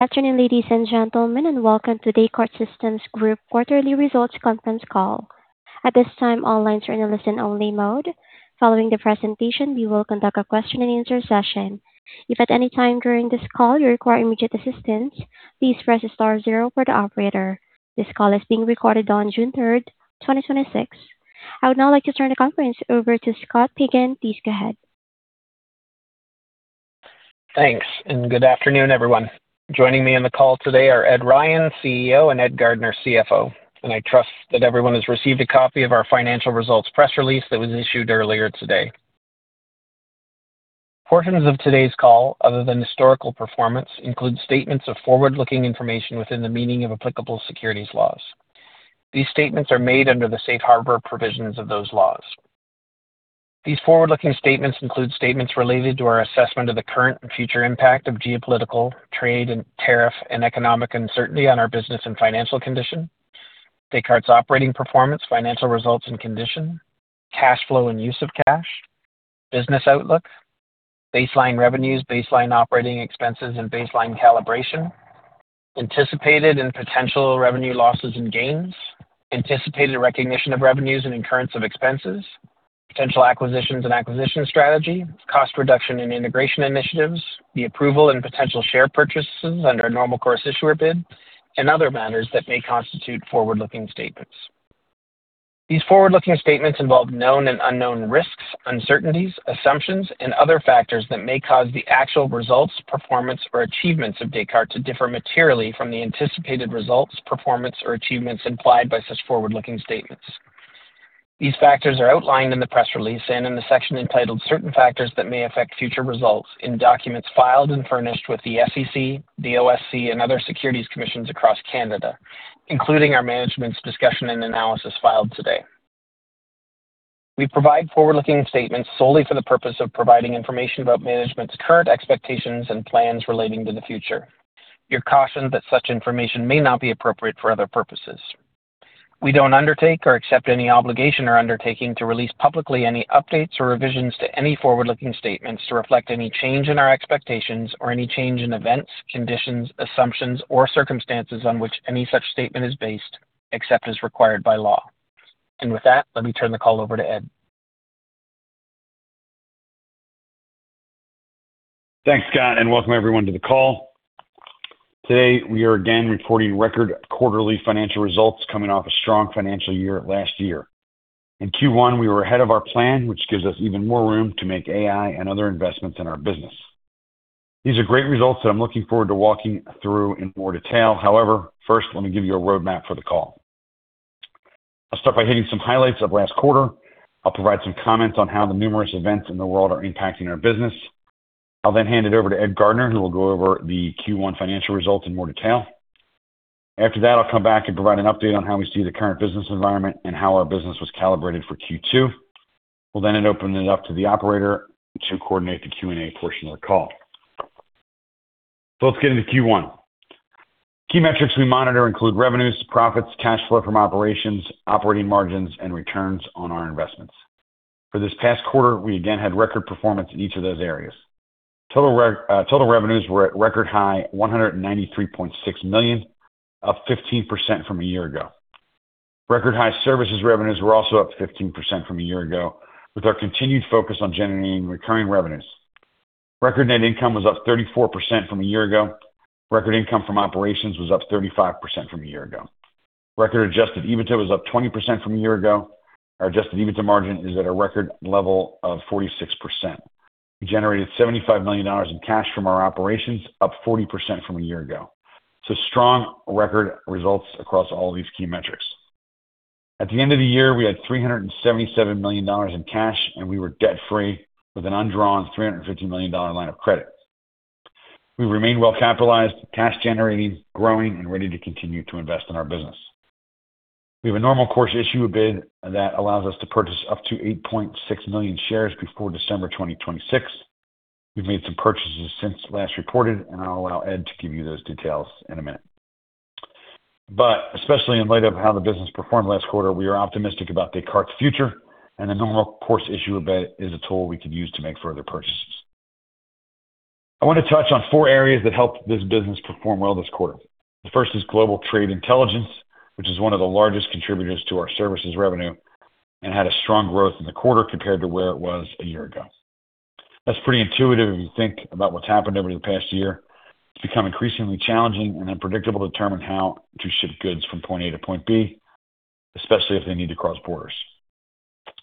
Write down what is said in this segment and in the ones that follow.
Good afternoon, ladies and gentlemen, and welcome to Descartes Systems Group quarterly results conference call. At this time, all lines are in a listen-only mode. Following the presentation, we will conduct a question-and-answer session. If at any time during this call you require immediate assistance, please press star zero for the operator. This call is being recorded on June 3rd, 2026. I would now like to turn the conference over to Scott Pagan. Please go ahead. Thanks, and good afternoon, everyone. Joining me on the call today are Ed Ryan, CEO, and Ed Gardner, CFO. I trust that everyone has received a copy of our financial results press release that was issued earlier today. Portions of today's call, other than historical performance, include statements of forward-looking information within the meaning of applicable securities laws. These statements are made under the safe harbor provisions of those laws. These forward-looking statements include statements related to our assessment of the current and future impact of geopolitical, trade, and tariff, and economic uncertainty on our business and financial condition; Descartes' operating performance, financial results, and condition; cash flow and use of cash; business outlook; baseline revenues, baseline operating expenses, and baseline calibration; anticipated and potential revenue losses and gains; anticipated recognition of revenues and incurrence of expenses; potential acquisitions and acquisition strategy; cost reduction and integration initiatives; the approval and potential share purchases under a Normal Course Issuer Bid; and other matters that may constitute forward-looking statements. These forward-looking statements involve known and unknown risks, uncertainties, assumptions, and other factors that may cause the actual results, performance, or achievements of Descartes to differ materially from the anticipated results, performance, or achievements implied by such forward-looking statements. These factors are outlined in the press release and in the section entitled Certain Factors That May Affect Future Results in documents filed and furnished with the SEC, the OSC, and other securities commissions across Canada, including our management's discussion and analysis filed today. We provide forward-looking statements solely for the purpose of providing information about management's current expectations and plans relating to the future. You're cautioned that such information may not be appropriate for other purposes. We don't undertake or accept any obligation or undertaking to release publicly any updates or revisions to any forward-looking statements to reflect any change in our expectations or any change in events, conditions, assumptions, or circumstances on which any such statement is based, except as required by law. With that, let me turn the call over to Ed. Thanks, Scott and welcome everyone to the call. Today, we are again reporting record quarterly financial results coming off a strong financial year last year. In Q1, we were ahead of our plan, which gives us even more room to make AI and other investments in our business. These are great results that I'm looking forward to walking through in more detail, however, first, let me give you a roadmap for the call. I'll start by hitting some highlights of last quarter. I'll provide some comments on how the numerous events in the world are impacting our business. I'll hand it over to Ed Gardner, who will go over the Q1 financial results in more detail. After that, I'll come back and provide an update on how we see the current business environment and how our business was calibrated for Q2. We'll then open it up to the operator to coordinate the Q&A portion of the call. Let's get into Q1. Key metrics we monitor include revenues, profits, cash flow from operations, operating margins, and returns on our investments. For this past quarter, we again had record performance in each of those areas. Total revenues were at a record high $193.6 million, up 15% from a year ago. Record-high services revenues were also up 15% from a year ago, with our continued focus on generating recurring revenues. Record net income was up 34% from a year ago. Record income from operations was up 35% from a year ago. Record adjusted EBITDA was up 20% from a year ago. Our adjusted EBITDA margin is at a record level of 46%. We generated $75 million in cash from our operations, up 40% from a year ago. It's a strong record results across all these key metrics. At the end of the year, we had $377 million in cash, and we were debt-free with an undrawn $350 million line of credit. We remain well-capitalized, cash generating, growing, and ready to continue to invest in our business. We have a Normal Course Issuer Bid that allows us to purchase up to 8.6 million shares before December 2026. We've made some purchases since last reported, and I'll allow Ed to give you those details in a minute, but, especially in light of how the business performed last quarter, we are optimistic about Descartes' future, and the Normal Course Issuer Bid is a tool we could use to make further purchases. I want to touch on four areas that helped this business perform well this quarter. The first is Global Trade Intelligence, which is one of the largest contributors to our services revenue and had a strong growth in the quarter compared to where it was a year ago. That's pretty intuitive if you think about what's happened over the past year. It's become increasingly challenging and unpredictable to determine how to ship goods from point A to point B, especially if they need to cross borders.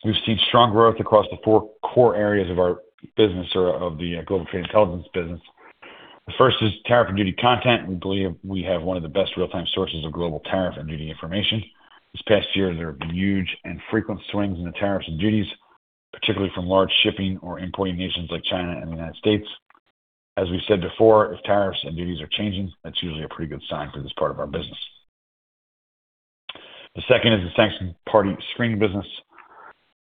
We've seen strong growth across the four core areas of our business or of the Global Trade Intelligence business. The first is tariff and duty content. We believe we have one of the best real-time sources of global tariff and duty information. This past year, there have been huge and frequent swings in the tariffs and duties, particularly from large shipping or importing nations like China and the United States. As we've said before, if tariffs and duties are changing, that's usually a pretty good sign for this part of our business. The second is the sanctioned party screening business,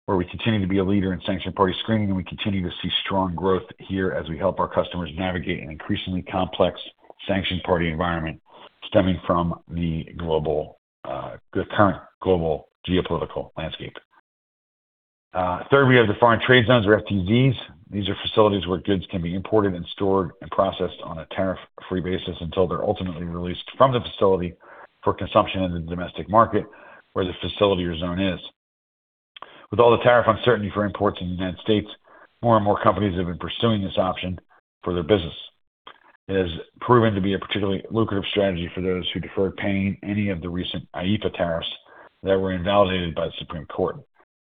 where we continue to be a leader in sanctioned party screening, and we continue to see strong growth here as we help our customers navigate an increasingly complex sanctioned party environment stemming from the global, current global geopolitical landscape. Third, we have foreign trade zones or FTZs. These are facilities where goods can be imported and stored and processed on a tariff-free basis until they're ultimately released from the facility for consumption in the domestic market where the facility or zone is. With all the tariff uncertainty for imports in the United States, more and more companies have been pursuing this option for their business. It has proven to be a particularly lucrative strategy for those who deferred paying any of the recent IEEPA tariffs that were invalidated by the Supreme Court.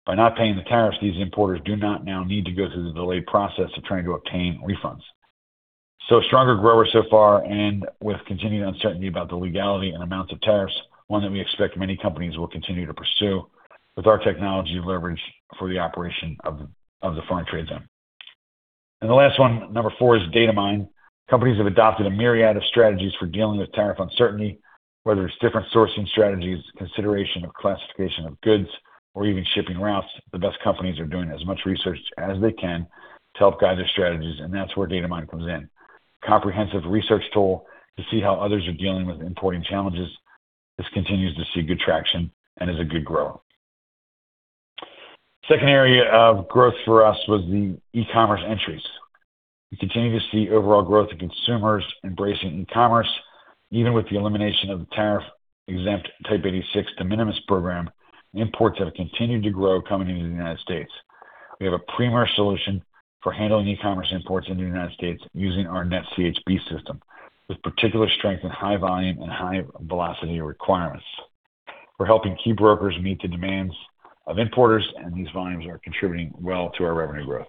By not paying the tariffs, these importers do not now need to go through the delayed process of trying to obtain refunds. Stronger grower so far, and with continued uncertainty about the legality and amounts of tariffs, one that we expect many companies will continue to pursue with our technology leverage for the operation of foreign trade zone. The last one, number four, is Datamyne. Companies have adopted a myriad of strategies for dealing with tariff uncertainty, whether it's different sourcing strategies, consideration of classification of goods, or even shipping routes. The best companies are doing as much research as they can to help guide their strategies, and that's where Datamyne comes in, comprehensive research tool to see how others are dealing with importing challenges. This continues to see good traction and is a good grower. Second area of growth for us was the e-commerce entries. We continue to see overall growth in consumers embracing e-commerce, even with the elimination of the tariff-exempt Type 86 de minimis program, imports have continued to grow coming into the United States. We have a premier solution for handling e-commerce imports into the United States using our NetCHB system, with particular strength in high volume and high velocity requirements. We're helping key brokers meet the demands of importers, and these volumes are contributing well to our revenue growth.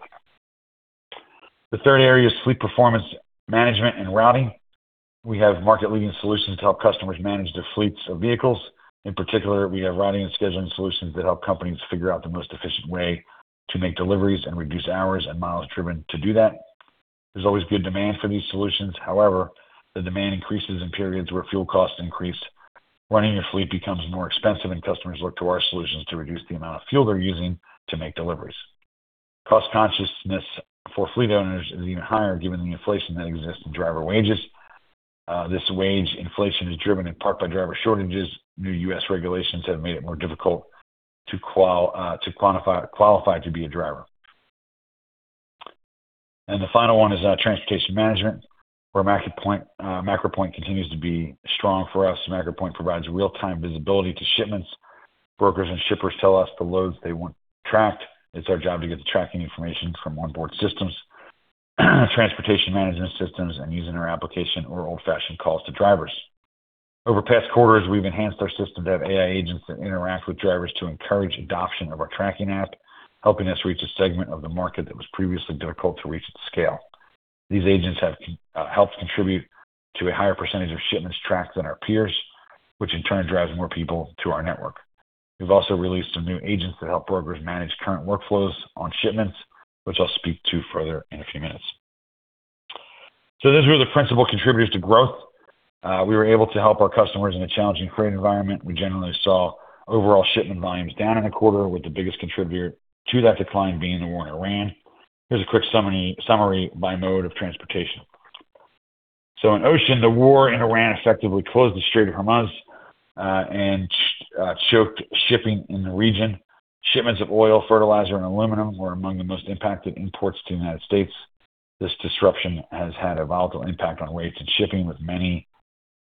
The third area is fleet performance management and routing. We have market-leading solutions to help customers manage their fleets of vehicles. In particular, we have routing and scheduling solutions that help companies figure out the most efficient way to make deliveries and reduce hours and miles driven to do that. There's always good demand for these solutions. However, the demand increases in periods where fuel costs increase, running a fleet becomes more expensive, and customers look to our solutions to reduce the amount of fuel they're using to make deliveries. Cost-consciousness for fleet owners is even higher given the inflation that exists in driver wages. This wage inflation is driven in part by driver shortages. New U.S. regulations have made it more difficult to qualify to be a driver. The final one is transportation management, where MacroPoint continues to be strong for us. MacroPoint provides real-time visibility to shipments. Brokers and shippers tell us the loads they want tracked. It's our job to get the tracking information from onboard systems, transportation management systems, and using our application or old-fashioned calls to drivers. Over past quarters, we've enhanced our system to have AI agents that interact with drivers to encourage adoption of our tracking app, helping us reach a segment of the market that was previously difficult to reach at scale. These agents have helped contribute to a higher percentage of shipments tracked than our peers, which in turn drives more people to our network. We've also released some new agents to help brokers manage current workflows on shipments, which I'll speak to further in a few minutes. Those were the principal contributors to growth. We were able to help our customers in a challenging freight environment. We generally saw overall shipment volumes down in the quarter, with the biggest contributor to that decline being the war in Iran. Here's a quick summary by mode of transportation. In ocean, the war in Iran effectively closed the Strait of Hormuz and choked shipping in the region. Shipments of oil, fertilizer, and aluminum were among the most impacted imports to the United States. This disruption has had a volatile impact on rates and shipping, with many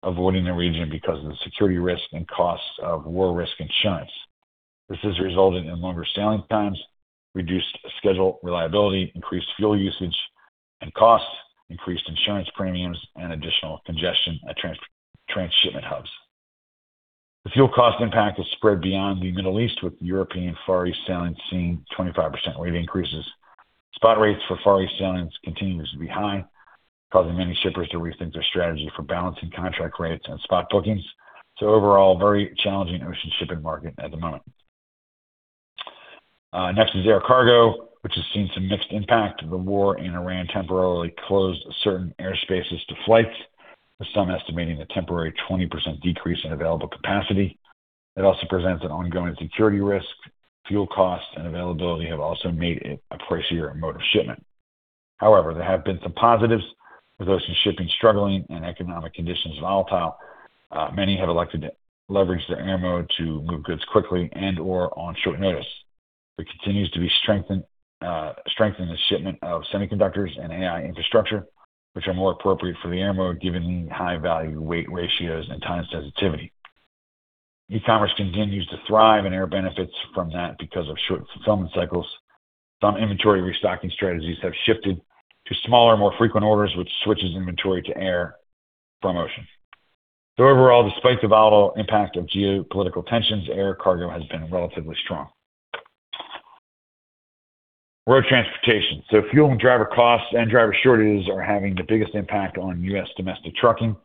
avoiding the region because of the security risk and costs of war risk insurance. This has resulted in longer sailing times, reduced schedule reliability, increased fuel usage and costs, increased insurance premiums, and additional congestion at transshipment hubs. The fuel cost impact has spread beyond the Middle East, with European Far East sailing seeing 25% rate increases. Spot rates for Far East sailings continue to be high, causing many shippers to rethink their strategy for balancing contract rates and spot bookings. Overall, very challenging ocean shipping market at the moment. Next is air cargo, which has seen some mixed impact. The war in Iran temporarily closed certain airspaces to flights, with some estimating a temporary 20% decrease in available capacity. It also presents an ongoing security risk. Fuel costs and availability have also made it a pricier mode of shipment. However, there have been some positives. With ocean shipping struggling and economic conditions volatile, many have elected to leverage the air mode to move goods quickly and/or on short notice. There continues to be strength in the shipment of semiconductors and AI infrastructure, which are more appropriate for the air mode given high value weight ratios and time sensitivity. E-commerce continues to thrive, and air benefits from that because of short fulfillment cycles. Some inventory restocking strategies have shifted to smaller, more frequent orders, which switches inventory to air from ocean. Overall, despite the volatile impact of geopolitical tensions, air cargo has been relatively strong. Road transportation. Fuel and driver costs and driver shortages are having the biggest impact on U.S. domestic trucking.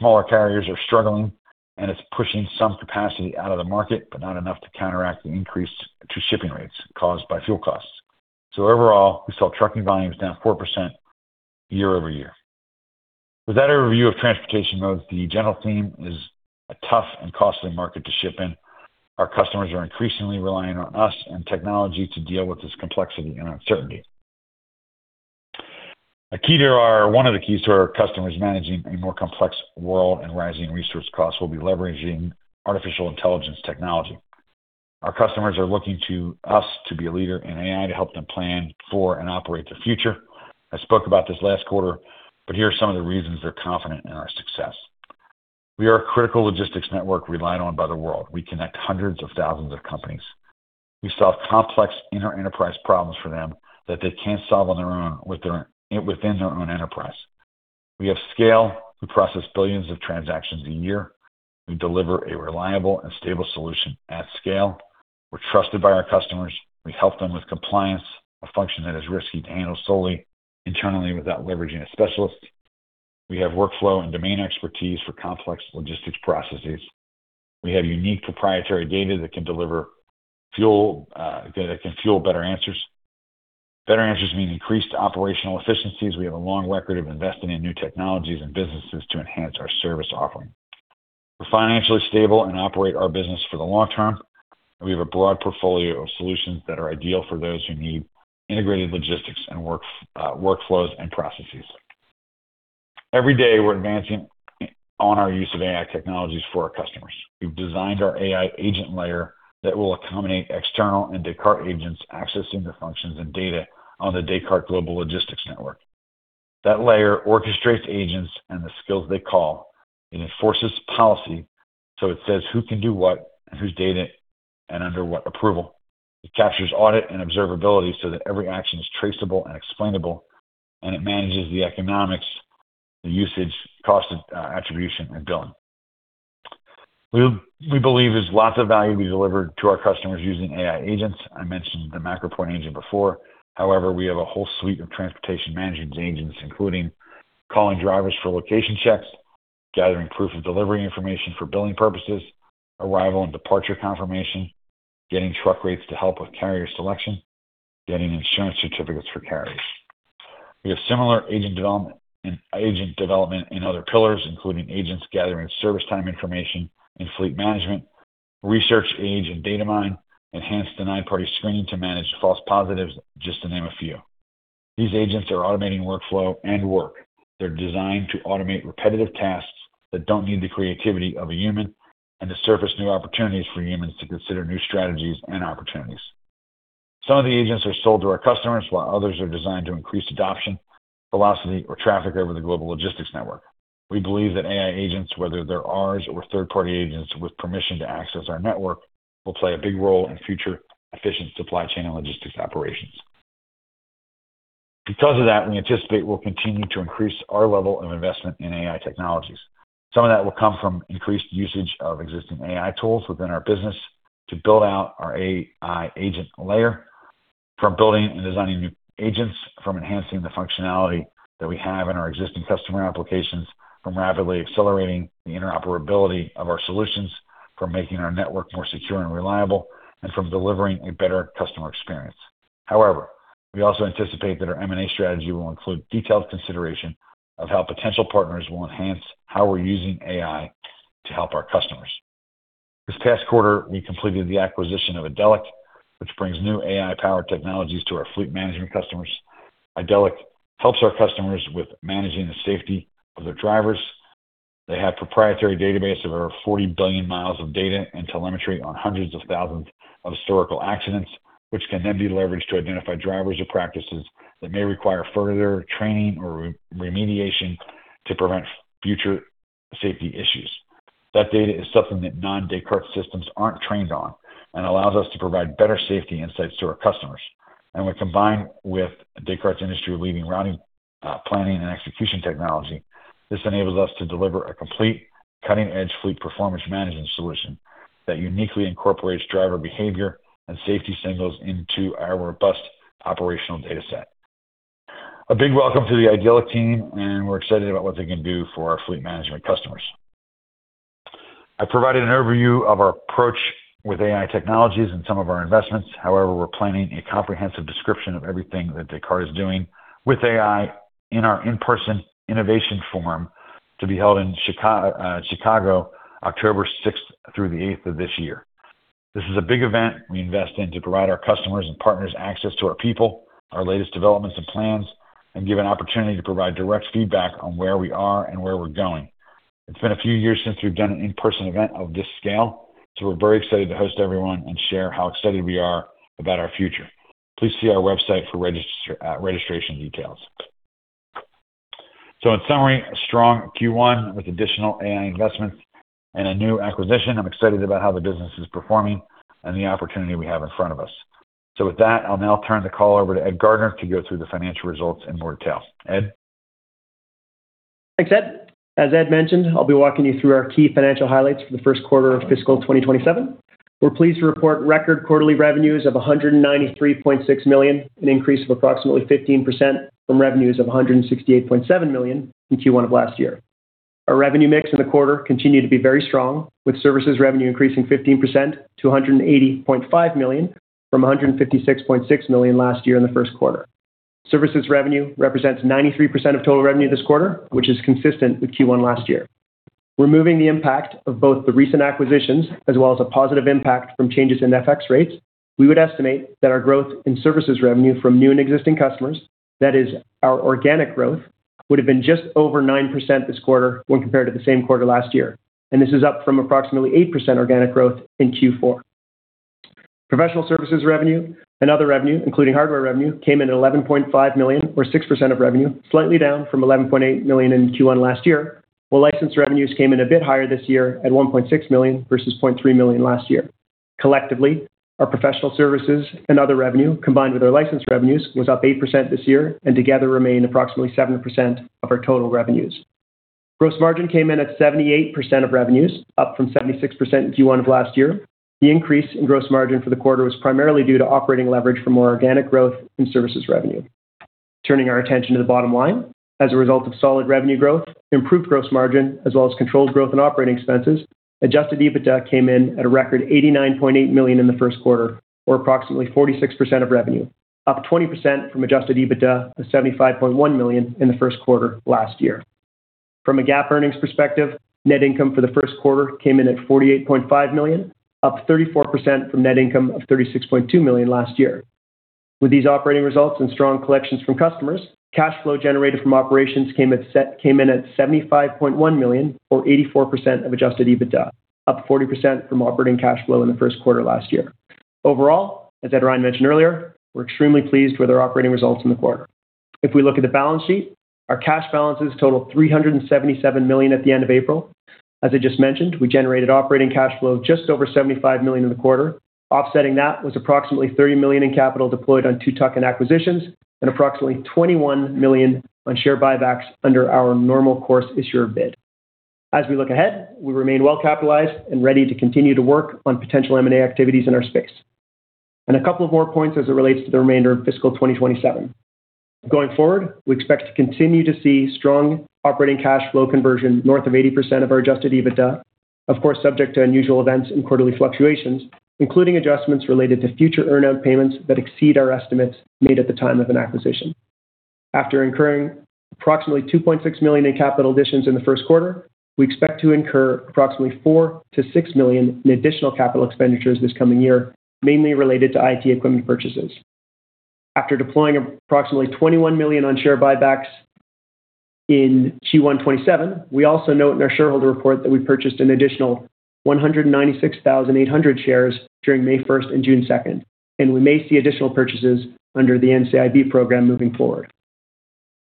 Smaller carriers are struggling, and it's pushing some capacity out of the market, but not enough to counteract the increase to shipping rates caused by fuel costs. Overall, we saw trucking volumes down 4% year-over-year. With that overview of transportation modes, the general theme is a tough and costly market to ship in. Our customers are increasingly relying on us and technology to deal with this complexity and uncertainty. One of the keys to our customers managing a more complex world and rising resource costs will be leveraging artificial intelligence technology. Our customers are looking to us to be a leader in AI to help them plan for and operate their future. I spoke about this last quarter, but here are some of the reasons they're confident in our success. We are a critical logistics network relied on by the world. We connect hundreds of thousands of companies. We solve complex inter-enterprise problems for them that they can't solve on their own within their own enterprise. We have scale. We process billions of transactions a year. We deliver a reliable and stable solution at scale. We're trusted by our customers. We help them with compliance, a function that is risky to handle solely internally without leveraging a specialist. We have workflow and domain expertise for complex logistics processes. We have unique proprietary data that can deliver, that can fuel better answers. Better answers mean increased operational efficiencies. We have a long record of investing in new technologies and businesses to enhance our service offering. We're financially stable and operate our business for the long term. We have a broad portfolio of solutions that are ideal for those who need integrated logistics and workflows and processes. Every day, we're advancing on our use of AI technologies for our customers. We've designed our AI agent layer that will accommodate external and Descartes agents accessing their functions and data on the Descartes Global Logistics Network. That layer orchestrates agents and the skills they call. It enforces policy, so it says who can do what and whose data, and under what approval. It captures audit and observability so that every action is traceable and explainable, and it manages the economics, the usage, cost, attribution, and billing. We believe there's lots of value to be delivered to our customers using AI agents. I mentioned the MacroPoint agent before, however, we have a whole suite of transportation management agents, including calling drivers for location checks, gathering proof of delivery information for billing purposes, arrival and departure confirmation, getting truck rates to help with carrier selection, getting insurance certificates for carriers. We have similar agent development in other pillars, including agents gathering service time information and fleet management, research agent Datamyne, enhanced the sanctioned party screening to manage false positives, just to name a few. These agents are automating workflow and work. They're designed to automate repetitive tasks that don't need the creativity of a human and to surface new opportunities for humans to consider new strategies and opportunities. Some of the agents are sold to our customers, while others are designed to increase adoption, velocity, or traffic over the Global Logistics Network. We believe that AI agents, whether they're ours or third-party agents with permission to access our network, will play a big role in future efficient supply chain logistics operations. Because of that, we anticipate we'll continue to increase our level of investment in AI technologies. Some of that will come from increased usage of existing AI tools within our business to build out our AI agent layer, from building and designing new agents, from enhancing the functionality that we have in our existing customer applications, from rapidly accelerating the interoperability of our solutions, from making our network more secure and reliable, and from delivering a better customer experience. However, we also anticipate that our M&A strategy will include detailed consideration of how potential partners will enhance how we're using AI to help our customers. This past quarter, we completed the acquisition of Idelic, which brings new AI power technologies to our fleet management customers. Idelic helps our customers with managing the safety of their drivers. They have proprietary database of over 40 billion miles of data and telemetry on hundreds of thousands of historical accidents, which can then be leveraged to identify drivers or practices that may require further training or remediation to prevent future safety issues. That data is something that non-Descartes systems aren't trained on and allows us to provide better safety insights to our customers. When combined with Descartes industry-leading routing, planning, and execution technology, this enables us to deliver a complete cutting-edge fleet performance management solution that uniquely incorporates driver behavior and safety signals into our robust operational data set. A big welcome to the Idelic team. We're excited about what they can do for our fleet management customers. I provided an overview of our approach with AI technologies and some of our investments, however, we're planning a comprehensive description of everything that Descartes is doing with AI in our in-person Innovation Forum to be held in Chicago, October 6th through the 8th of this year. This is a big event we invest in to provide our customers and partners access to our people, our latest developments and plans, and give an opportunity to provide direct feedback on where we are and where we're going. It's been a few years since we've done an in-person event of this scale, so we're very excited to host everyone and share how excited we are about our future. Please see our website for registration details. In summary, a strong Q1 with additional AI investments and a new acquisition. I'm excited about how the business is performing and the opportunity we have in front of us. With that, I'll now turn the call over to Ed Gardner to go through the financial results in more detail. Ed? Thanks, Ed. As Ed mentioned, I will be walking you through our key financial highlights for the first quarter of fiscal 2027. We are pleased to report record quarterly revenues of $193.6 million, an increase of approximately 15% from revenues of $168.7 million in Q1 of last year. Our revenue mix in the quarter continued to be very strong, with services revenue increasing 15% to $180.5 million from $156.6 million last year in the first quarter. Services revenue represents 93% of total revenue this quarter, which is consistent with Q1 last year. Removing the impact of both the recent acquisitions as well as a positive impact from changes in FX rates, we would estimate that our growth in services revenue from new and existing customers, that is our organic growth, would have been just over 9% this quarter when compared to the same quarter last year, and this is up from approximately 8% organic growth in Q4. Professional services revenue and other revenue, including hardware revenue, came in at $11.5 million or 6% of revenue, slightly down from $11.8 million in Q1 last year, while license revenues came in a bit higher this year at $1.6 million versus $0.3 million last year. Collectively, our professional services and other revenue, combined with our license revenues, was up 8% this year and together, remain approximately 7% of our total revenues. Gross margin came in at 78% of revenues, up from 76% in Q1 of last year. The increase in gross margin for the quarter was primarily due to operating leverage from more organic growth in services revenue. Turning our attention to the bottom line, as a result of solid revenue growth, improved gross margin, as well as controlled growth in operating expenses, adjusted EBITDA came in at a record $89.8 million in the first quarter, or approximately 46% of revenue, up 20% from adjusted EBITDA to $75.1 million in the first quarter last year. From a GAAP earnings perspective, net income for the first quarter came in at $48.5 million, up 34% from net income of $36.2 million last year. With these operating results and strong collections from customers, cash flow generated from operations came in at $75.1 million or 84% of adjusted EBITDA, up 40% from operating cash flow in the first quarter last year. Overall, as Ed Ryan mentioned earlier, we're extremely pleased with our operating results in the quarter. If we look at the balance sheet, our cash balances total $377 million at the end of April. As I just mentioned, we generated operating cash flow of just over $75 million in the quarter. Offsetting that was approximately $30 million in capital deployed on two tuck-in acquisitions and approximately $21 million on share buybacks under our Normal Course Issuer Bid. As we look ahead, we remain well-capitalized and ready to continue to work on potential M&A activities in our space. A couple of more points as it relates to the remainder of fiscal 2027. Going forward, we expect to continue to see strong operating cash flow conversion north of 80% of our adjusted EBITDA, of course, subject to unusual events and quarterly fluctuations, including adjustments related to future earn-out payments that exceed our estimates made at the time of an acquisition. After incurring approximately $2.6 million in capital additions in the first quarter, we expect to incur approximately $4 million-$6 million in additional capital expenditures this coming year, mainly related to IT equipment purchases. After deploying approximately $21 million on share buybacks in Q1 2027, we also note in our shareholder report that we purchased an additional 196,800 shares between May 1st and June 2nd, and we may see additional purchases under the NCIB program moving forward.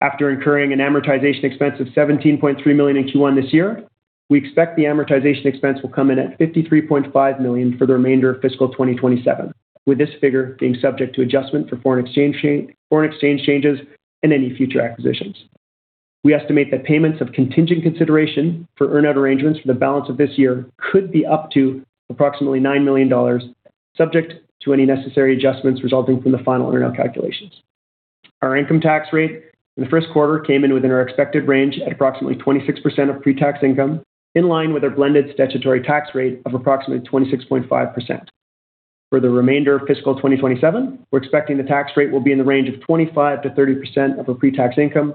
After incurring an amortization expense of $17.3 million in Q1 this year, we expect the amortization expense will come in at $53.5 million for the remainder of fiscal 2027, with this figure being subject to adjustment for foreign exchange changes and any future acquisitions. We estimate that payments of contingent consideration for earn-out arrangements for the balance of this year could be up to approximately $9 million, subject to any necessary adjustments resulting from the final earn-out calculations. Our income tax rate in the first quarter came in within our expected range at approximately 26% of pre-tax income, in line with our blended statutory tax rate of approximately 26.5%. For the remainder of fiscal 2027, we're expecting the tax rate will be in the range of 25%-30% of our pre-tax income,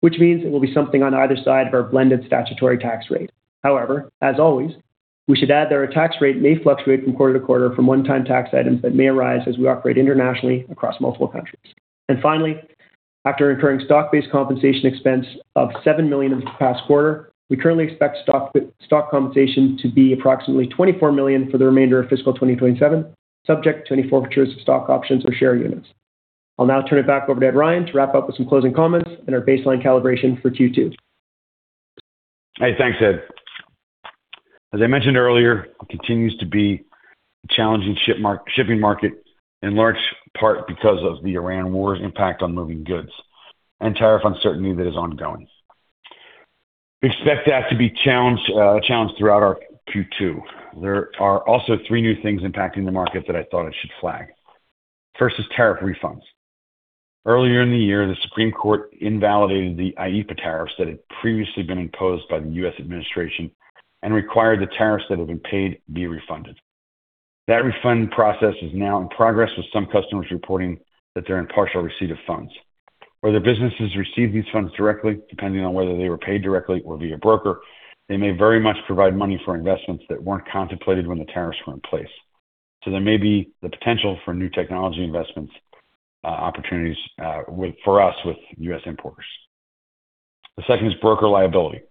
which means it will be something on either side of our blended statutory tax rate. However, as always, we should add that our tax rate may fluctuate from quarter to quarter from one-time tax items that may arise as we operate internationally across multiple countries. Finally, after incurring stock-based compensation expense of $7 million in the past quarter, we currently expect stock compensation to be approximately $24 million for the remainder of fiscal 2027, subject to any forfeitures of stock options or share units. I'll now turn it back over to Ed Ryan to wrap up with some closing comments and our baseline calibration for Q2. Hey, thanks, Ed. As I mentioned earlier, it continues to be a challenging shipping market in large part because of the Iran war's impact on moving goods and tariff uncertainty that is ongoing. We expect that to be challenged throughout our Q2. There are also three new things impacting the market that I thought I should flag. First is tariff refunds. Earlier in the year, the Supreme Court invalidated the IEEPA tariffs that had previously been imposed by the U.S. administration and required the tariffs that had been paid be refunded. That refund process is now in progress, with some customers reporting that they're in partial receipt of funds. Where their businesses receive these funds directly, depending on whether they were paid directly or via broker, they may very much provide money for investments that weren't contemplated when the tariffs were in place. There may be the potential for new technology investments opportunities for us with U.S. importers. The second is broker liability.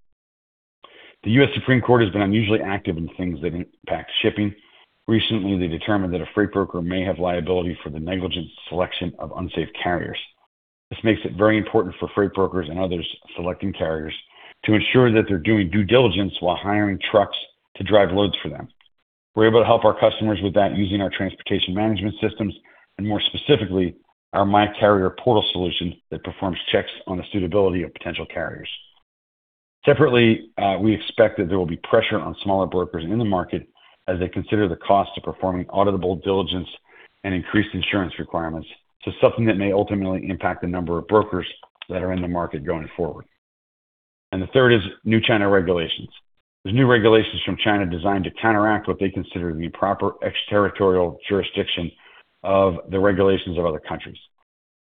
The U.S. Supreme Court has been unusually active in things that impact shipping. Recently, they determined that a freight broker may have liability for the negligent selection of unsafe carriers. This makes it very important for freight brokers and others selecting carriers to ensure that they're doing due diligence while hiring trucks to drive loads for them. We're able to help our customers with that using our transportation management systems, and more specifically, our MyCarrierPortal solution that performs checks on the suitability of potential carriers. Separately, we expect that there will be pressure on smaller brokers in the market as they consider the cost of performing auditable diligence and increased insurance requirements to something that may ultimately impact the number of brokers that are in the market going forward. The third is new China regulations. There's new regulations from China designed to counteract what they consider to be proper extraterritorial jurisdiction of the regulations of other countries.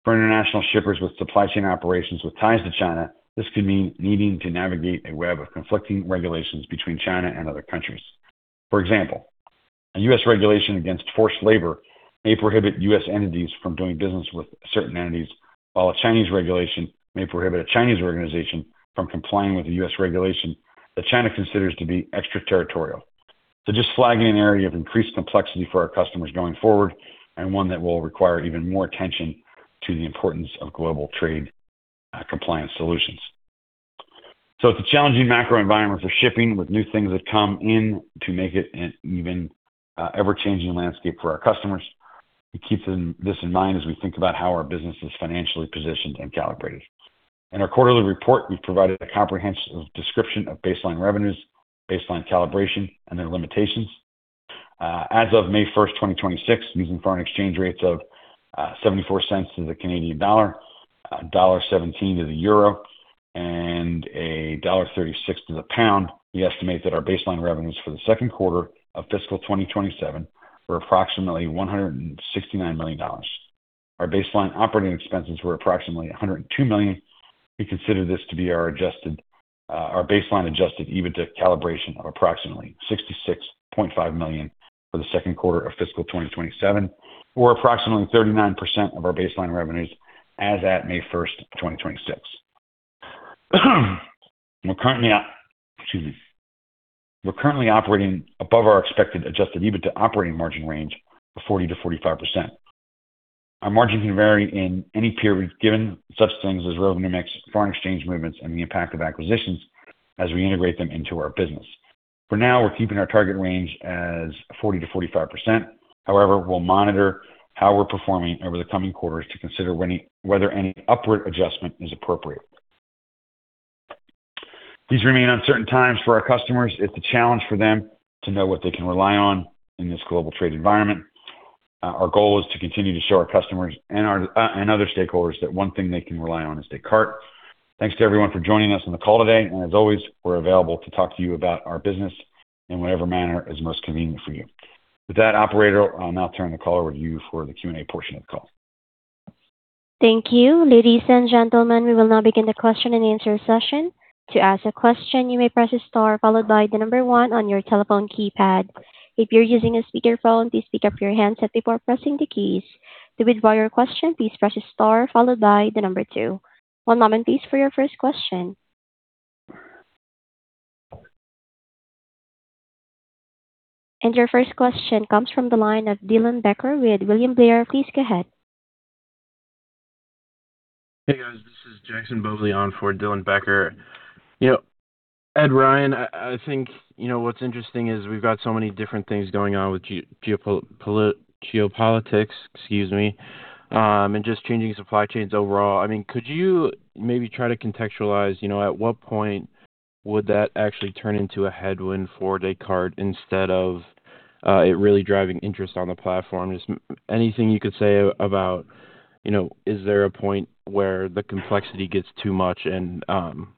For international shippers with supply chain operations with ties to China, this could mean needing to navigate a web of conflicting regulations between China and other countries. For example, a U.S. regulation against forced labor may prohibit U.S. entities from doing business with certain entities, while a Chinese regulation may prohibit a Chinese organization from complying with the U.S. regulation that China considers to be extraterritorial. Just flagging an area of increased complexity for our customers going forward, and one that will require even more attention to the importance of global trade compliance solutions. It's a challenging macro environment for shipping, with new things that come in to make it an even ever-changing landscape for our customers. We keep this in mind as we think about how our business is financially positioned and calibrated. In our quarterly report, we provided a comprehensive description of baseline revenues, baseline calibration, and their limitations. As of May 1st, 2026, using foreign exchange rates of $0.74 to the Canadian dollar, $1.17 to the euro, and $1.36 to the pound, we estimate that our baseline revenues for the second quarter of fiscal 2027 were approximately $169 million. Our baseline operating expenses were approximately $102 million. We consider this to be our baseline adjusted EBITDA calibration of approximately $66.5 million for the second quarter of fiscal 2027, or approximately 39% of our baseline revenues as at May 1st, 2026. We're currently, excuse me, we're currently operating above our expected adjusted EBITDA operating margin range of 40%-45%. Our margin can vary in any period, given such things as revenue mix, foreign exchange movements, and the impact of acquisitions as we integrate them into our business. For now, we're keeping our target range as 40%-45%, however, we'll monitor how we're performing over the coming quarters to consider whether any upward adjustment is appropriate. These remain uncertain times for our customers. It's a challenge for them to know what they can rely on in this global trade environment. Our goal is to continue to show our customers and other stakeholders that one thing they can rely on is Descartes. Thanks to everyone for joining us on the call today, and as always, we're available to talk to you about our business in whatever manner is most convenient for you. With that, operator, I'll now turn the call over to you for the Q&A portion of the call. Thank you. Ladies and gentlemen, we will now begin the question-and-answer session. To ask a question, you may press star followed by the number one on your telephone keypad. If you're using a speakerphone, please pick up your handset before pressing the keys. To withdraw your question, please press star followed by the number two. One moment, please, for your first question. Your first question comes from the line of Dylan Becker with William Blair. Please go ahead. Hey, guys. This is Jackson Bogli on for Dylan Becker. Ed Ryan, I think what's interesting is we've got so many different things going on with geopolitics, excuse me, and just changing supply chains overall. Could you maybe try to contextualize at what point would that actually turn into a headwind for Descartes instead of it really driving interest on the platform? Just anything you could say about, you know, is there a point where the complexity gets too much and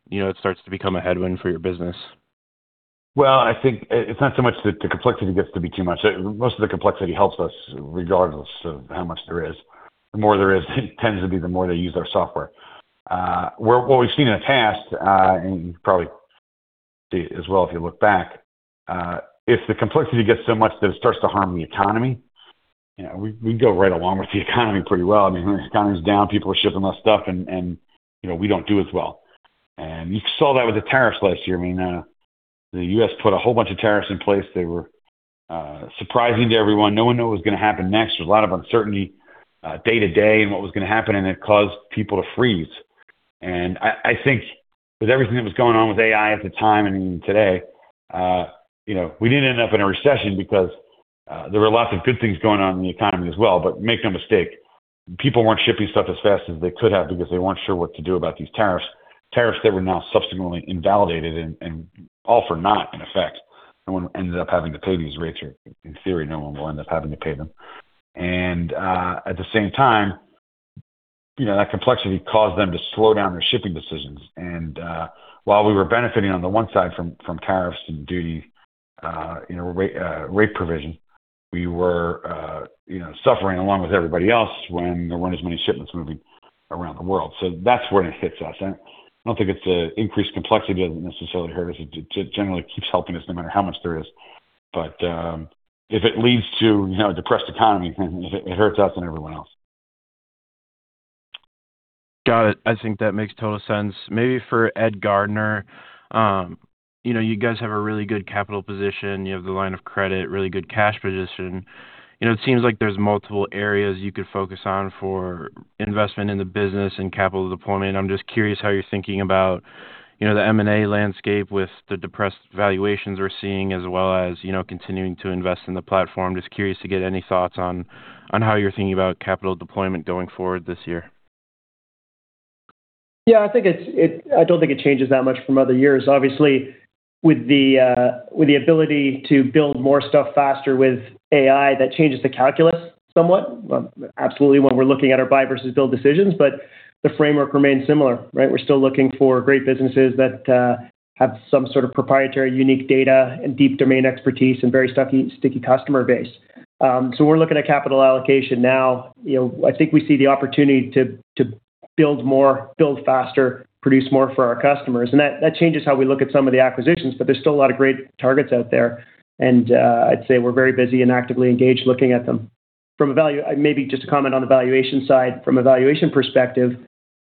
it starts to become a headwind for your business? Well, I think it's not so much that the complexity gets to be too much. Most of the complexity helps us regardless of how much there is. The more there is, it tends to be the more they use our software. What we've seen in the past, and you can probably see it as well if you look back, if the complexity gets so much that it starts to harm the economy, we go right along with the economy pretty well. When the economy's down, people are shipping less stuff, and we don't do as well. You saw that with the tariffs last year, I mean, the U.S. put a whole bunch of tariffs in place, they were surprising to everyone, no one knew what was going to happen next. There was a lot of uncertainty day to day and what was going to happen, and it caused people to freeze. I think with everything that was going on with AI at the time, and even today, you know, we didn't end up in a recession because there were lots of good things going on in the economy as well. But make no mistake, people weren't shipping stuff as fast as they could have because they weren't sure what to do about these tariffs, tariffs that were now subsequently invalidated and all for naught in effect. No one ended up having to pay these rates, or in theory, no one will end up having to pay them. At the same time, that complexity caused them to slow down their shipping decisions. While we were benefiting on the one side from tariffs and duty rate provision, we were suffering along with everybody else when there weren't as many shipments moving around the world. That's when it hits us. I don't think it's increased complexity that necessarily hurts. It generally keeps helping us no matter how much there is. If it leads to a depressed economy, it hurts us and everyone else. Got it. I think that makes total sense. Maybe for Ed Gardner. You guys have a really good capital position. You have the line of credit, really good cash position. It seems like there's multiple areas you could focus on for investment in the business and capital deployment. I'm just curious how you're thinking about the M&A landscape with the depressed valuations we're seeing, as well as continuing to invest in the platform. Just curious to get any thoughts on how you're thinking about capital deployment going forward this year? Yeah. I don't think it changes that much from other years. Obviously, with the ability to build more stuff faster with AI, that changes the calculus somewhat. Absolutely, when we're looking at our buy versus build decisions, but the framework remains similar, right? We're still looking for great businesses that have some sort of proprietary unique data and deep domain expertise and very sticky customer base. We're looking at capital allocation now. I think we see the opportunity to build more, build faster, produce more for our customers, and that changes how we look at some of the acquisitions, but there's still a lot of great targets out there. I'd say we're very busy and actively engaged looking at them. Maybe just to comment on the valuation side, from a valuation perspective,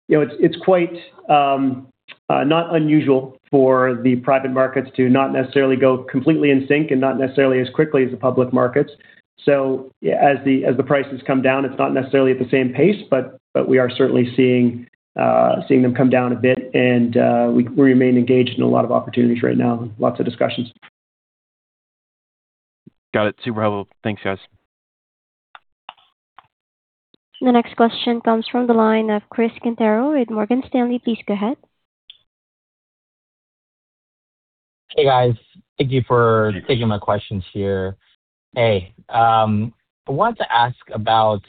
it's quite not unusual for the private markets to not necessarily go completely in sync and not necessarily as quickly as the public markets. As the prices come down, it's not necessarily at the same pace, but we are certainly seeing them come down a bit and we remain engaged in a lot of opportunities right now and lots of discussions. Got it. Super helpful. Thanks, guys. The next question comes from the line of Chris Quintero with Morgan Stanley. Please go ahead. Hey, guys. Thank you for taking my questions here. I wanted to ask about